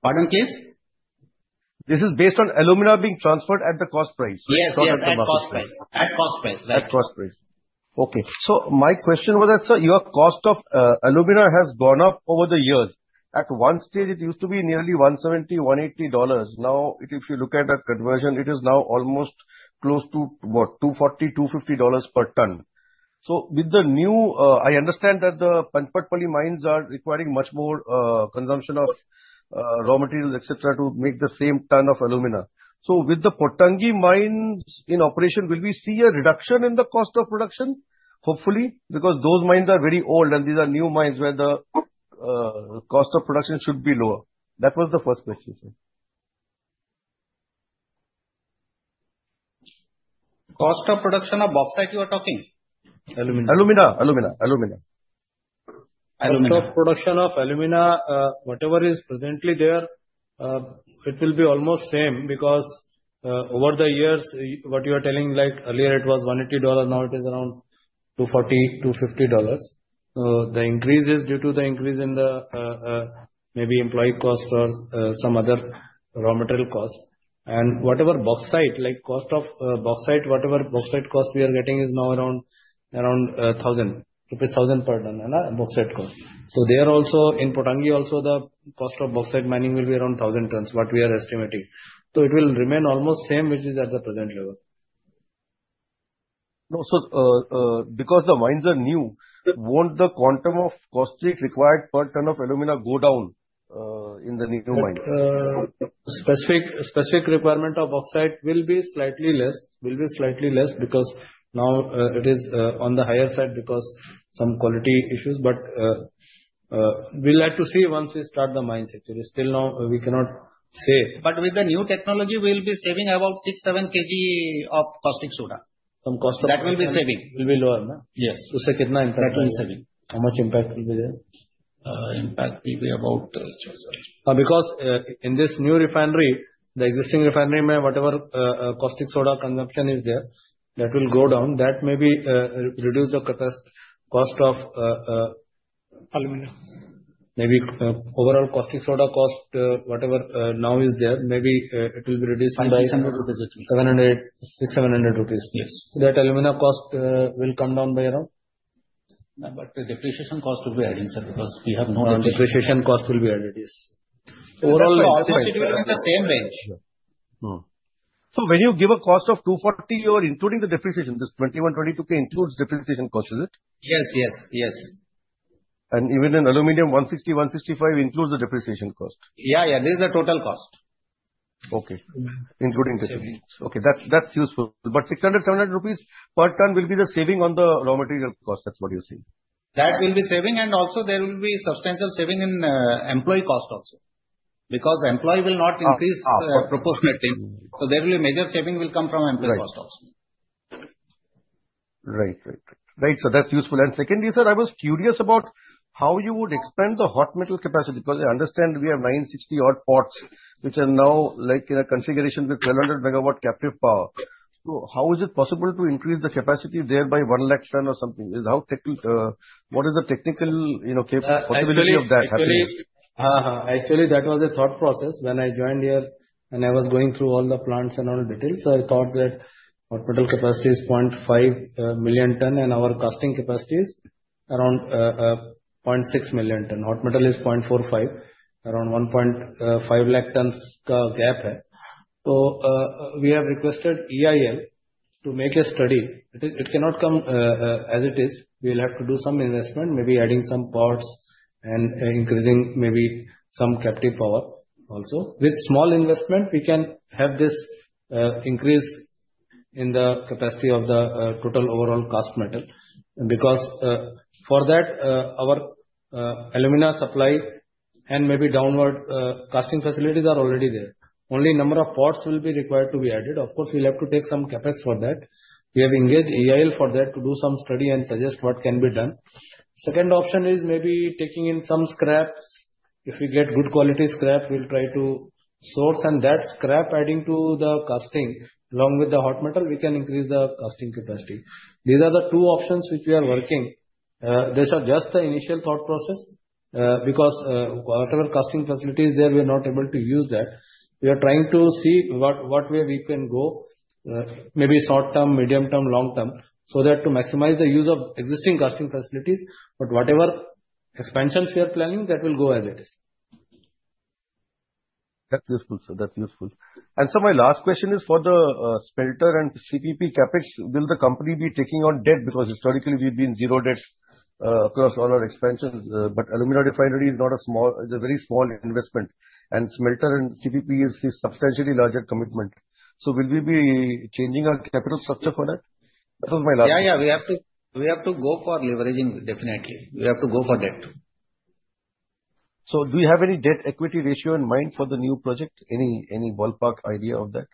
Pardon, please? This is based on alumina being transferred at the cost price, right? Yes, at cost price. At cost price. At cost price. Okay. So my question was that, sir, your cost of alumina has gone up over the years. At one stage, it used to be nearly $170-$180. Now, if you look at the conversion, it is now almost close to what? $240-$250 per ton. So with the new, I understand that the Panchpatmali mines are requiring much more consumption of raw materials, etc., to make the same ton of alumina. So with the Pottangi mines in operation, will we see a reduction in the cost of production, hopefully? Because those mines are very old, and these are new mines where the cost of production should be lower. That was the first question, sir. Cost of production of oxide, you are talking? Alumina. Alumina. Alumina. Alumina. Cost of production of alumina, whatever is presently there, it will be almost same because over the years, what you are telling, like earlier, it was $180. Now it is around $240-$250. The increase is due to the increase in the maybe employee cost or some other raw material cost. Whatever bauxite, like cost of bauxite, whatever bauxite cost we are getting is now around 1,000 rupees, 1,000 per ton bauxite cost. There also, in Pottangi, also the cost of bauxite mining will be around 1,000 per ton, what we are estimating. It will remain almost same, which is at the present level. Because the mines are new, won't the quantum of cost required per ton of alumina go down in the new mines? Specific requirement of oxide will be slightly less. Will be slightly less because now it is on the higher side because some quality issues. But we'll have to see once we start the mines, actually. Still now, we cannot say. But with the new technology, we'll be saving about six, seven kg of caustic soda. Some cost of Caustic Soda. That will be saving. Will be lower, no? Yes. To say, how much impact will be there? Impact will be about. Because in this new refinery, the existing refinery may, whatever caustic soda consumption is there, that will go down. That may reduce the cost of. Alumina. Maybe overall caustic soda cost, whatever now is there, maybe it will be reduced by. By 600 rupees, actually. 700 rupees, 6,700 rupees. Yes. That alumina cost will come down by around? But the depreciation cost will be added, sir, because we have no depreciation. Depreciation cost will be added, yes. Overall, it will be in the same range. So when you give a cost of 240, you are including the depreciation. This 21, 22K includes depreciation cost, is it? Yes, yes, yes. Even in aluminum, 160-165 includes the depreciation cost. Yeah, yeah. This is the total cost. Okay. Including depreciation. Okay. That's useful. But 600-700 rupees per ton will be the saving on the raw material cost, that's what you're saying. That will be saving. And also, there will be substantial saving in employee cost also because employee will not increase proportionately. So there will be major saving will come from employee cost also. Right. So that's useful. And secondly, sir, I was curious about how you would expand the hot metal capacity because I understand we have 960-odd pots, which are now in a configuration with 1,200 megawatt captive power. So how is it possible to increase the capacity there by 1 lakh ton or something? What is the technical possibility of that happening? Actually, that was a thought process when I joined here, and I was going through all the plants and all the details. I thought that hot metal capacity is 0.5 million tons, and our casting capacity is around 0.6 million tons. Hot metal is 0.45, around 1.5 lakh tons gap. So we have requested EIL to make a study. It cannot come as it is. We will have to do some investment, maybe adding some parts and increasing maybe some captive power also. With small investment, we can have this increase in the capacity of the total overall cast metal because for that, our alumina supply and maybe downstream casting facilities are already there. Only number of pots will be required to be added. Of course, we'll have to take some CapEx for that. We have engaged EIL for that to do some study and suggest what can be done. Second option is maybe taking in some scrap. If we get good quality scrap, we'll try to source, and that scrap adding to the casting along with the hot metal, we can increase the casting capacity. These are the two options which we are working. These are just the initial thought process because whatever casting facilities there, we are not able to use that. We are trying to see what way we can go, maybe short term, medium term, long term, so that to maximize the use of existing casting facilities. But whatever expansions we are planning, that will go as it is. That's useful, sir. That's useful. And so my last question is for the smelter and CPP CapEx, will the company be taking on debt? Because historically, we've been zero debts across all our expansions. But alumina refinery is not a small. It's a very small investment. And smelter and CPP is a substantially larger commitment. So will we be changing our capital structure for that? That was my last question. Yeah, yeah. We have to go for leveraging, definitely. We have to go for debt. So do you have any debt equity ratio in mind for the new project? Any ballpark idea of that?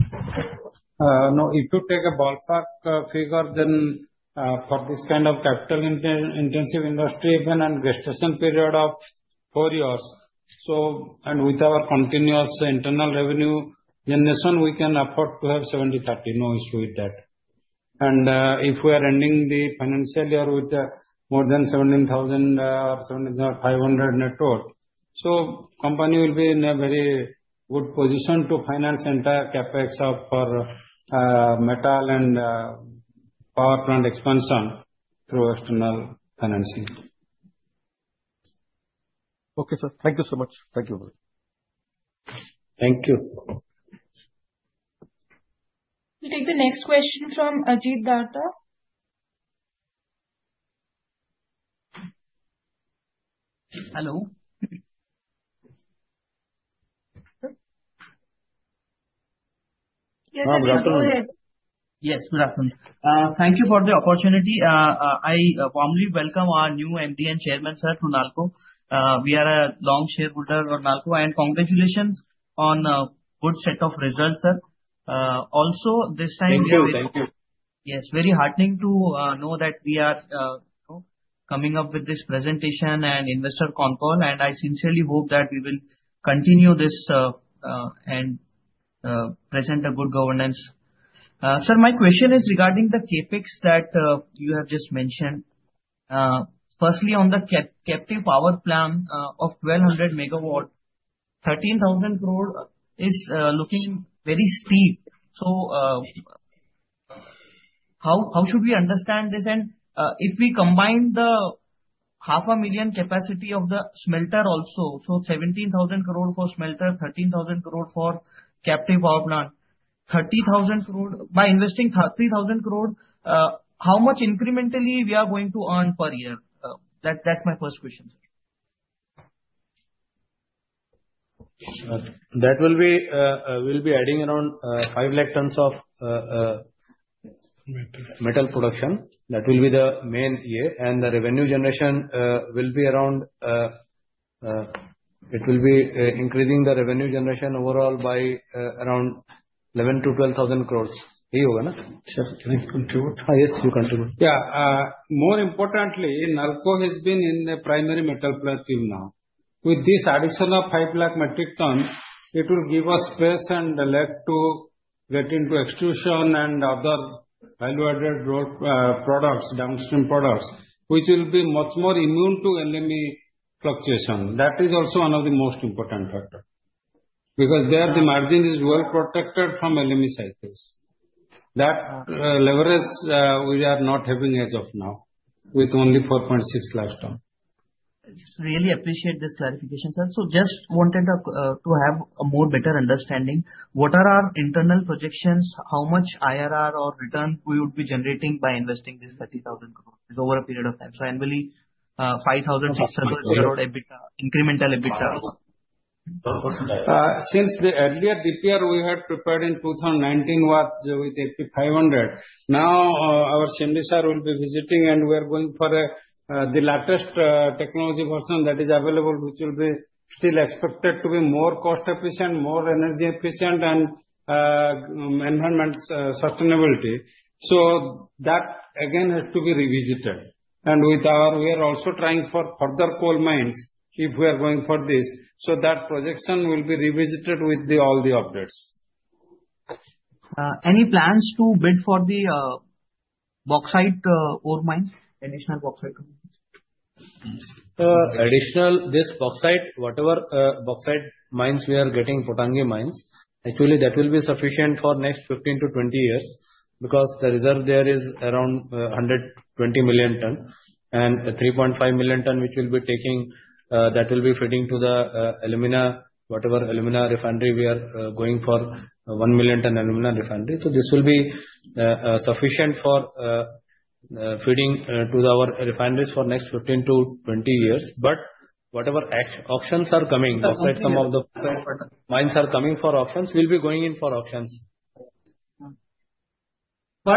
No. If you take a ballpark figure, then for this kind of capital-intensive industry, even a gestation period of four years, and with our continuous internal revenue generation, we can afford to have 70-30, no issue with that. And if we are ending the financial year with more than 17,000-17,500 net worth, so company will be in a very good position to finance entire capex of metal and power plant expansion through external financing. Okay, sir. Thank you so much. Thank you. Thank you. We'll take the next question from Ajit Datar. Hello. Yes, Ajit. Yes, good afternoon. Thank you for the opportunity. I warmly welcome our new MD and Chairman, sir, to Nalco. We are a long-time shareholder of Nalco, and congratulations on a good set of results, sir. Also, this time. Thank you. Thank you. Yes. Very heartening to know that we are coming up with this presentation and investor con call. And I sincerely hope that we will continue this and present a good governance. Sir, my question is regarding the CapEx that you have just mentioned. Firstly, on the captive power plant of 1,200 megawatt, 13,000 crore is looking very steep. So how should we understand this? And if we combine the 500,000 capacity of the smelter also, so 17,000 crore for smelter, 13,000 crore for captive power plant, 30,000 crore by investing 3,000 crore, how much incrementally we are going to earn per year? That's my first question, sir. That will be adding around five lakh tons of metal production. That will be the main year. The revenue generation will be around. It will be increasing the revenue generation overall by around 11,000-12,000 crores. Yes, you continue. Yeah. More importantly, Nalco has been in the primary metal plant till now. With this addition of 5 lakh metric tons, it will give us space and leg to get into extrusion and other value-added products, downstream products, which will be much more immune to LME fluctuation. That is also one of the most important factors because there the margin is well protected from LME cycles. That leverage, we are not having as of now with only 4.6 lakh ton. Really appreciate this clarification, sir. So just wanted to have a more better understanding. What are our internal projections? How much IRR or return we would be generating by investing this 30,000 crore over a period of time? So annually 5,000-6,000 crore incremental EBITDA? Since the earlier DPR we had prepared in 2019 was with AP 500. Now, our CMD sir will be visiting, and we are going for the latest technology version that is available, which will be still expected to be more cost-efficient, more energy-efficient, and environmental sustainability. So that again has to be revisited. And we are also trying for further coal mines if we are going for this. So that projection will be revisited with all the updates. Any plans to bid for the bauxite ore mines, additional bauxite? Additionally, this bauxite, whatever bauxite mines we are getting, Pottangi mines, actually, that will be sufficient for next 15-20 years because the reserve there is around 120 million tons and 3.5 million tons, which will be feeding to the alumina, whatever alumina refinery we are going for, 1 million ton alumina refinery. So this will be sufficient for feeding to our refineries for next 15-20 years. But whatever options are coming, bauxite, some of the bauxite mines are coming for options, we'll be going in for options. Per ton may increment total company. Hello? Hello. Yes. Yes, yes. Yes, sir. So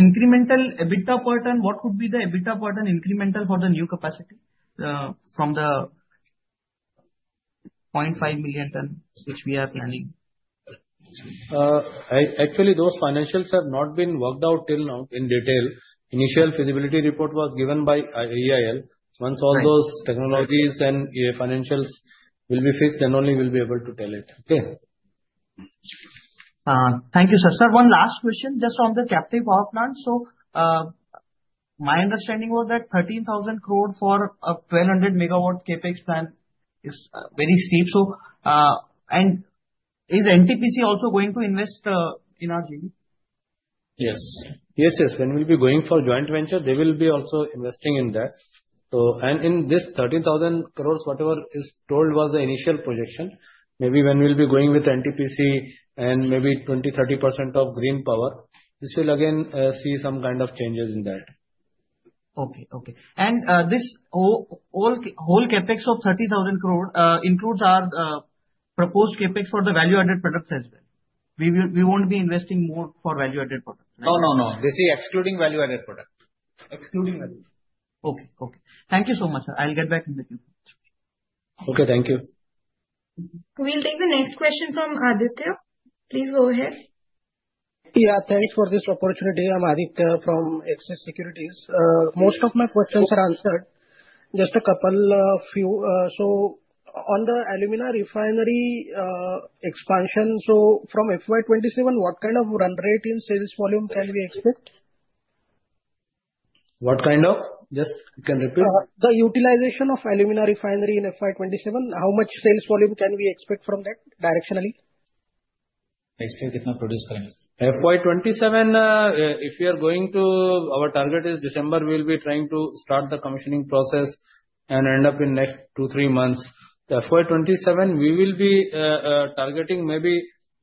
incremental EBITDA per ton, what would be the EBITDA per ton incremental for the new capacity from the 0.5 million ton, which we are planning? Actually, those financials have not been worked out till now in detail. Initial feasibility report was given by EIL. Once all those technologies and financials will be fixed, then only we'll be able to tell it. Okay. Thank you, sir. Sir, one last question just on the captive power plant. So my understanding was that 13,000 crore for a 1,200 megawatt CapEx plan is very steep. And is NTPC also going to invest in our JV? Yes. Yes, yes. When we'll be going for joint venture, they will be also investing in that. And in this 13,000 crore, whatever is told was the initial projection, maybe when we'll be going with NTPC and maybe 20%-30% of green power, this will again see some kind of changes in that. Okay, okay. And this whole CapEx of 30,000 crore includes our proposed CapEx for the value-added products as well. We won't be investing more for value-added products. No, no, no. This is excluding value-added product. Excluding value-added. Okay, okay. Thank you so much, sir. I'll get back in a few minutes. Okay. Thank you. We'll take the next question from Aditya. Please go ahead. Yeah. Thanks for this opportunity. I'm Aditya from Axis Securities. Most of my questions are answered. Just a couple few. So on the alumina refinery expansion, so from FY27, what kind of run rate in sales volume can we expect? What kind of? Just, you can repeat. The utilization of alumina refinery in FY27, how much sales volume can we expect from that directionally? Next year, कितना produce करेंगे, sir? FY27, if we are going to, our target is December. We'll be trying to start the commissioning process and end up in next two, three months. FY27, we will be targeting maybe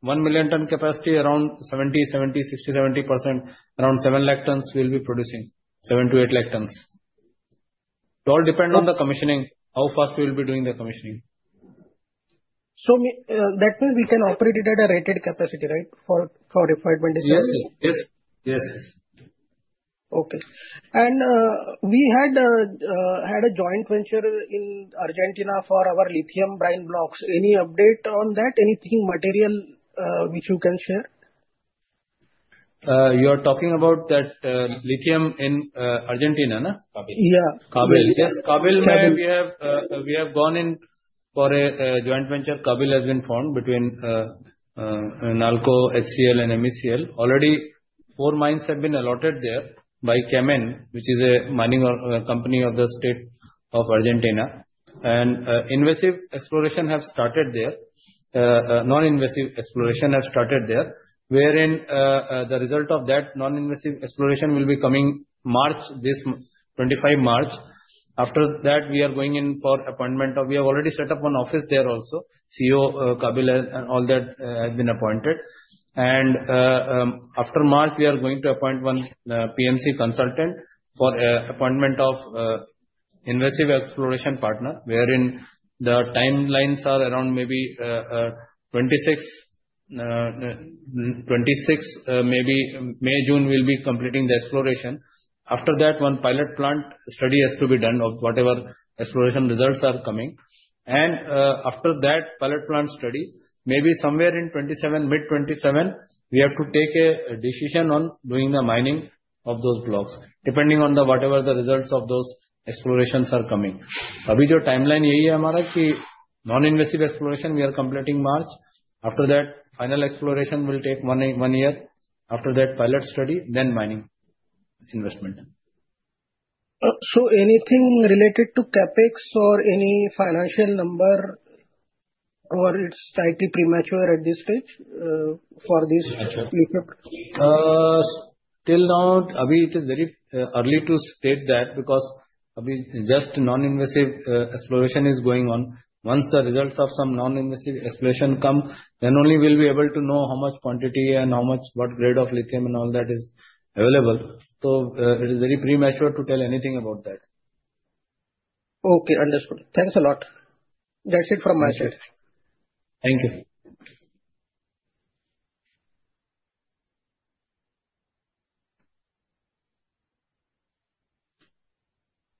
1 million ton capacity, around 70, 60, 70%, around 7 lakh tons. We'll be producing 7 to 8 lakh tons. It all depends on the commissioning, how fast we'll be doing the commissioning. So that means we can operate it at a rated capacity, right, for refinement? Yes, yes, yes. Okay. And we had a joint venture in Argentina for our lithium brine blocks. Any update on that? Anything material which you can share? You are talking about that lithium in Argentina, no? Yeah. KABIL. Yes. KABIL, we have gone in for a joint venture. KABIL has been formed between NALCO, HCL, and MECL. Already, four mines have been allotted there by CAMYEN, which is a mining company of the State of Argentina, and invasive exploration has started there. Non-invasive exploration has started there, wherein the result of that non-invasive exploration will be coming this 25 March. After that, we are going in for appointment. We have already set up an office there also. CEO KABIL and all that have been appointed. And after March, we are going to appoint one PMC consultant for appointment of invasive exploration partner, wherein the timelines are around maybe 26, maybe May, June will be completing the exploration. After that, one pilot plant study has to be done of whatever exploration results are coming. After that pilot plant study, maybe somewhere in mid-2027, we have to take a decision on doing the mining of those blocks, depending on whatever the results of those explorations are coming. अभी जो timeline यही है हमारा कि non-invasive exploration, we are completing March. After that, final exploration will take one year. After that, pilot study, then mining investment. Anything related to CapEx or any financial number or it's slightly premature at this stage for this? Still now, it is very early to state that because just non-invasive exploration is going on. Once the results of some non-invasive exploration come, then only we'll be able to know how much quantity and what grade of lithium and all that is available. So it is very premature to tell anything about that. Okay. Understood. Thanks a lot. That's it from my side. Thank you.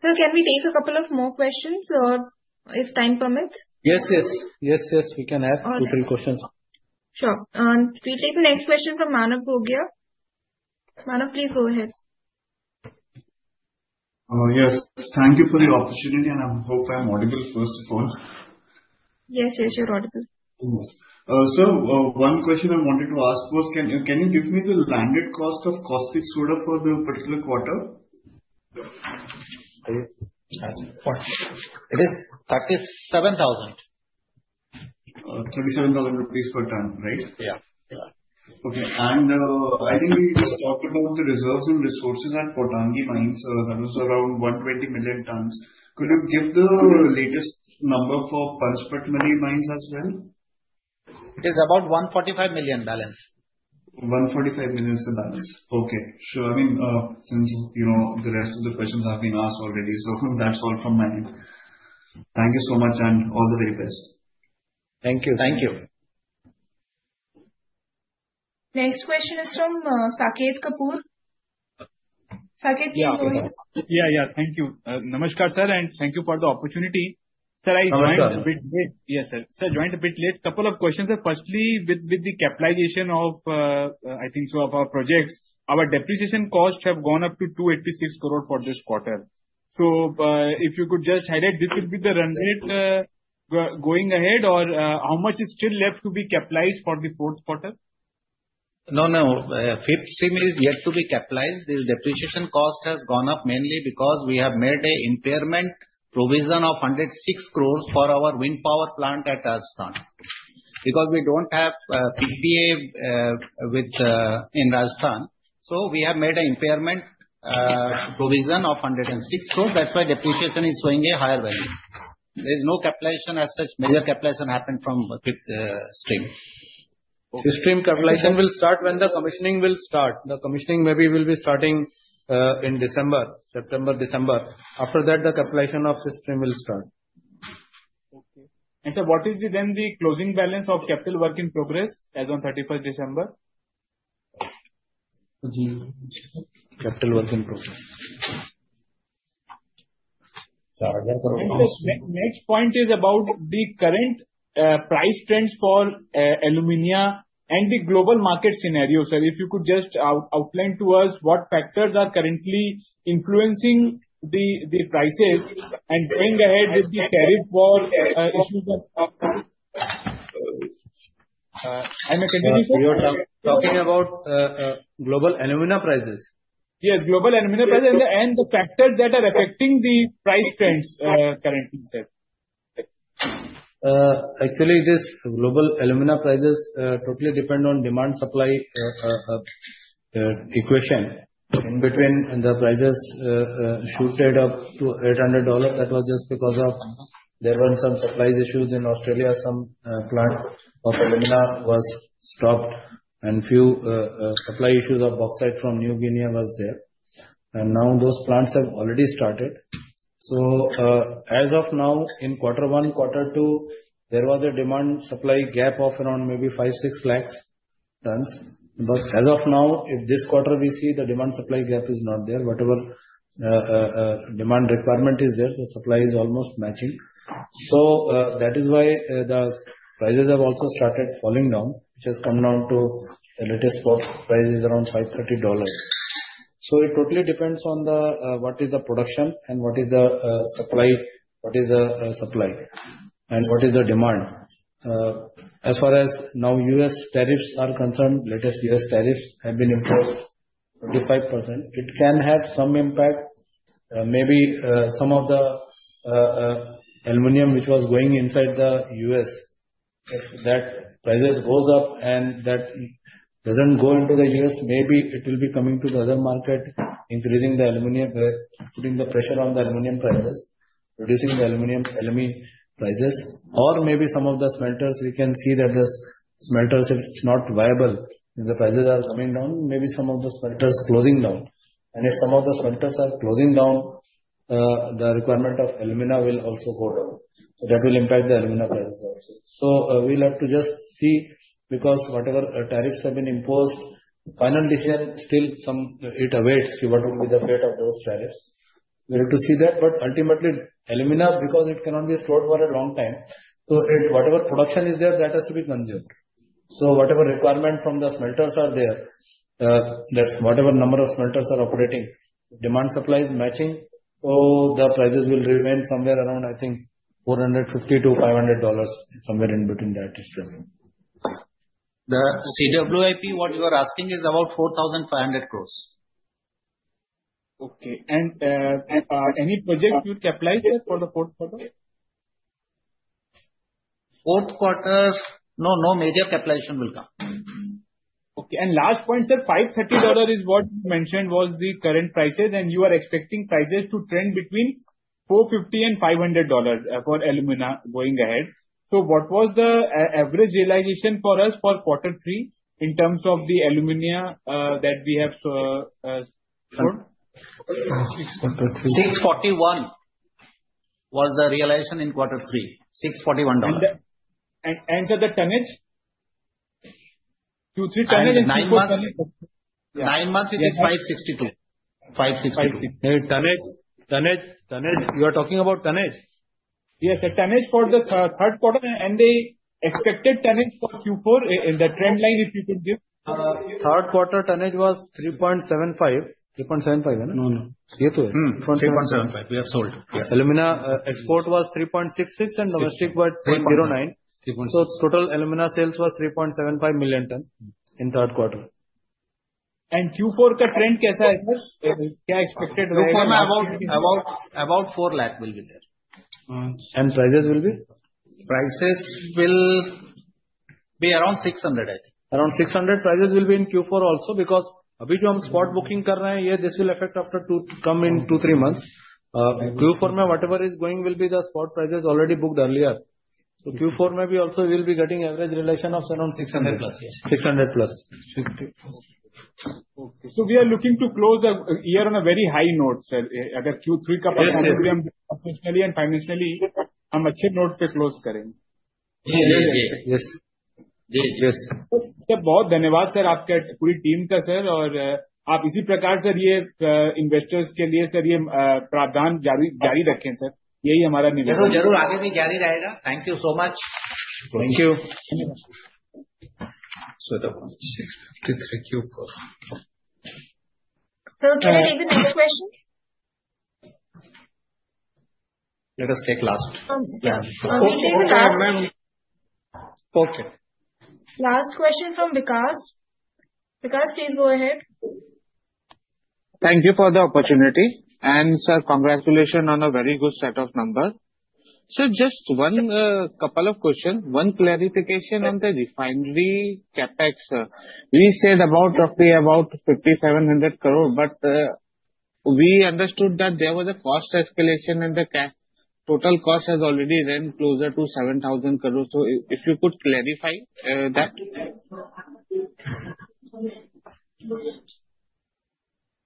Sir, can we take a couple of more questions if time permits? Yes, yes. Yes, yes. We can have two or three questions. Sure. We take the next question from Manav Bhogia. Manav, please go ahead. Yes. Thank you for the opportunity, and I hope I'm audible first of all. Yes, yes, you're audible. Sir, one question I wanted to ask was, can you give me the landed cost of Caustic Soda for the particular quarter? It is 37,000. 37,000 rupees per ton, right? Yeah. Okay. And I think we just talked about the reserves and resources at Pottangi mines. That was around 120 million tons. Could you give the latest number for Panchpatmali mines as well? It is about 145 million balance. 145 million is the balance. Okay. Sure. I mean, since the rest of the questions have been asked already, so that's all from my end. Thank you so much and all the very best. Thank you. Thank you. Next question is from Saket Kapoor. Saketh, can you go ahead? Yeah, yeah. Thank you. Namaskar, sir, and thank you for the opportunity. Sir, I joined a bit late. Namaskar. Yes, sir. Sir, joined a bit late. Couple of questions. Firstly, with the capitalization of, I think so, of our projects, our depreciation costs have gone up to 286 crore for this quarter. So if you could just highlight, this will be the run rate going ahead or how much is still left to be capitalized for the fourth quarter? No, no. Fifth Stream is yet to be capitalized. This depreciation cost has gone up mainly because we have made an impairment provision of 106 crores for our wind power plant at Rajasthan. Because we don't have PPA in Rajasthan, so we have made an impairment provision of 106 crores. That's why depreciation is showing a higher value. There is no capitalization as such. Major capitalization happened from Fifth Stream. Fifth Stream capitalization will start when the commissioning will start. The commissioning maybe will be starting in December, September, December. After that, the capitalization of Fifth Stream will start. Okay. And sir, what is then the closing balance of capital work in progress as of 31st December? Capital work in progress. Next point is about the current price trends for alumina and the global market scenario. Sir, if you could just outline to us what factors are currently influencing the prices and going ahead with the tariff war issues? I may continue, sir? You're talking about global alumina prices? Yes, global alumina prices and the factors that are affecting the price trends currently, sir? Actually, these global alumina prices totally depend on demand-supply equation. In between, the prices shot up to $800. That was just because there were some supply issues in Australia. Some plant of alumina was stopped, and few supply issues of bauxite from Papua New Guinea were there. And now those plants have already started. So as of now, in quarter one, quarter two, there was a demand-supply gap of around maybe 5, 6 lakh tons. But as of now, if this quarter we see the demand-supply gap is not there, whatever demand requirement is there, the supply is almost matching. So that is why the prices have also started falling down, which has come down to the latest price is around $530. So it totally depends on what is the production and what is the supply, and what is the demand. As far as now U.S. tariffs are concerned, latest U.S. tariffs have been imposed 25%. It can have some impact, maybe some of the aluminum which was going inside the U.S. If that prices goes up and that doesn't go into the U.S., maybe it will be coming to the other market, increasing the aluminum, putting the pressure on the aluminum prices, reducing the aluminum prices. Or maybe some of the smelters, we can see that the smelters, if it's not viable, if the prices are coming down, maybe some of the smelters closing down. And if some of the smelters are closing down, the requirement of alumina will also go down. So that will impact the alumina prices also. So we'll have to just see because whatever tariffs have been imposed, final decision still it awaits what will be the fate of those tariffs. We'll have to see that. But ultimately, alumina, because it cannot be stored for a long time, so whatever production is there, that has to be consumed. So whatever requirement from the smelters are there, whatever number of smelters are operating, demand-supply is matching, so the prices will remain somewhere around, I think, $450-$500, somewhere in between that. The CWIP, what you are asking is about 4,500 crores. Okay, and any project you capitalize for the fourth quarter? Fourth quarter, no, no major capitalization will come. Okay. And last point, sir, $530 is what you mentioned was the current prices, and you are expecting prices to trend between $450 and $500 for alumina going ahead. So what was the average realization for us for quarter three in terms of the alumina that we have stored? 641 was the realization in quarter three. $641. Sir, the tonnage? Q3 tonnage and Q4 tonnage? Nine months, it is 562. 562. Tonnage? Tonnage? Tonnage? You are talking about tonnage? Yes, sir, tonnage for the third quarter, and the expected tonnage for Q4 in the trend line, if you could give? Third quarter tonnage was 3.75. 3.75, right? No, no. Yeah, it was. 3.75. We have sold. Alumina export was 3.66 and domestic was 3.09. So total alumina sales was 3.75 million tons in third quarter. Q4 का trend कैसा है, sir? क्या expected? Q4, about 4 lakh will be there. Prices will be? Prices will be around 600, I think. Around 600. Prices will be in Q4 also because अभी जो हम spot booking कर रहे हैं, this will affect after two or three months. Q4 में whatever is going will be the spot prices already booked earlier. So Q4 में भी also we will be getting average realization of around 600 plus. 600 plus. 600 plus. Okay, so we are looking to close the year on a very high note, sir. अगर Q3 का performance हम financially and financially हम अच्छे note पे close करेंगे. Yes. Yes. Yes. Yes. Yes. Sir, बहुत धन्यवाद, sir, आपके पूरी टीम का, sir. और आप इसी प्रकार, sir, ये investors के लिए, sir, ये प्रावधान जारी रखें, sir. यही हमारा निवेदन. जरूर, जरूर, आगे भी जारी रहेगा. Thank you so much. Thank you. 653 Q4. Sir, can I take the next question? Let us take last. Okay. Last question from Vikas. Vikas, please go ahead. Thank you for the opportunity. And sir, congratulations on a very good set of numbers. Sir, just one couple of questions. One clarification on the refinery CapEx. We said about roughly about 5,700 crore, but we understood that there was a cost escalation and the total cost has already ran closer to 7,000 crore. So if you could clarify that.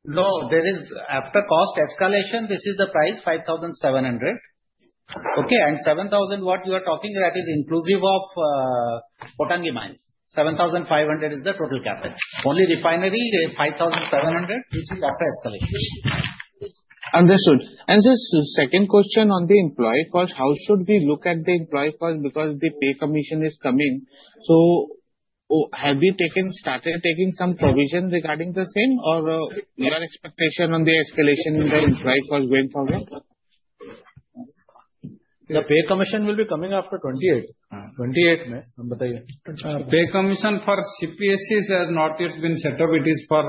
No, there is, after cost escalation, this is the price, 5,700. Okay, and 7,000, what you are talking, that is inclusive of Pottangi mines. 7,500 is the total CapEx. Only refinery, 5,700, which is after escalation. Understood. And sir, second question on the employee cost, how should we look at the employee cost because the pay commission is coming? So have you started taking some provision regarding the same or your expectation on the escalation in the employee cost going forward? The pay commission will be coming after 28th May. Bataaya. Pay commission for CPSE has not yet been set up. It is for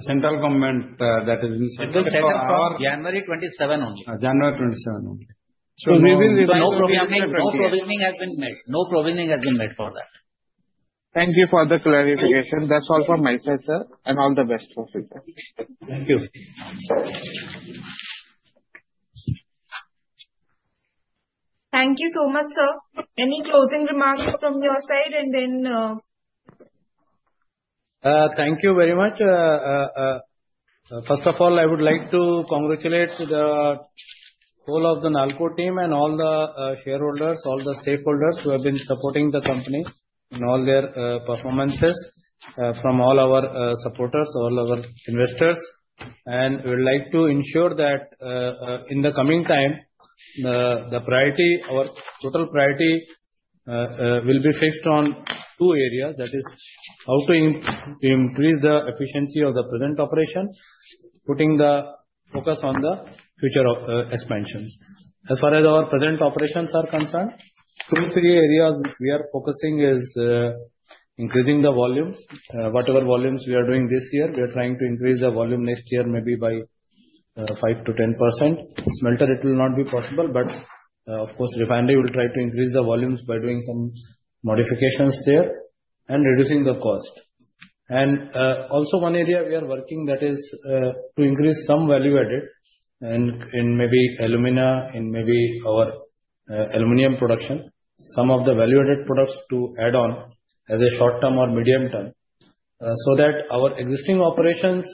central government that has been set up. It will set up for January 27 only. January 27 only. So we will. So no provision has been made. No provision has been made for that. Thank you for the clarification. That's all from my side, sir. And all the best for future. Thank you. Thank you so much, sir. Any closing remarks from your side and then? Thank you very much. First of all, I would like to congratulate the whole of the NALCO team and all the shareholders, all the stakeholders who have been supporting the company in all their performances from all our supporters, all our investors, and we would like to ensure that in the coming time, the total priority will be fixed on two areas. That is, how to increase the efficiency of the present operation, putting the focus on the future expansions. As far as our present operations are concerned, two or three areas we are focusing is increasing the volumes. Whatever volumes we are doing this year, we are trying to increase the volume next year maybe by 5%-10%. Smelter, it will not be possible. But of course, refinery will try to increase the volumes by doing some modifications there and reducing the cost. And also, one area we are working that is to increase some value added in maybe alumina, in maybe our aluminum production, some of the value added products to add on as a short term or medium term so that our existing operations,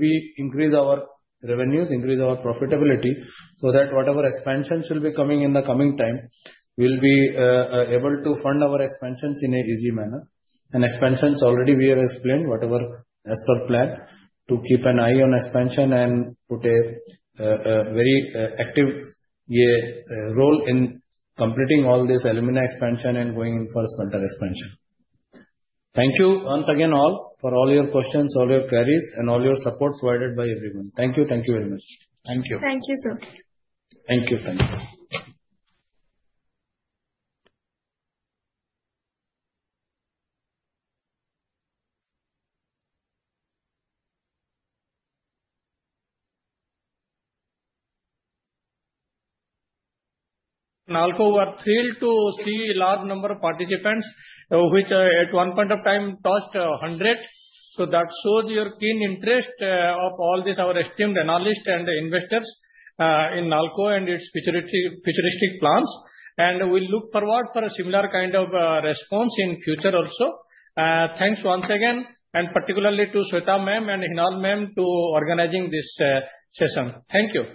we increase our revenues, increase our profitability so that whatever expansions will be coming in the coming time, we will be able to fund our expansions in an easy manner, and expansions already we have explained whatever as per plan to keep an eye on expansion and put a very active role in completing all this alumina expansion and going in for smelter expansion. Thank you once again, all for all your questions, all your queries, and all your support provided by everyone. Thank you. Thank you very much. Thank you. Thank you, sir. Thank you. Thank you. Nalco, we are thrilled to see a large number of participants which at one point of time touched 100. So that shows your keen interest of all these our esteemed analysts and investors in Nalco and its futuristic plans. And we look forward for a similar kind of response in future also. Thanks once again, and particularly to Shweta ma'am and Hinal ma'am to organizing this session. Thank you.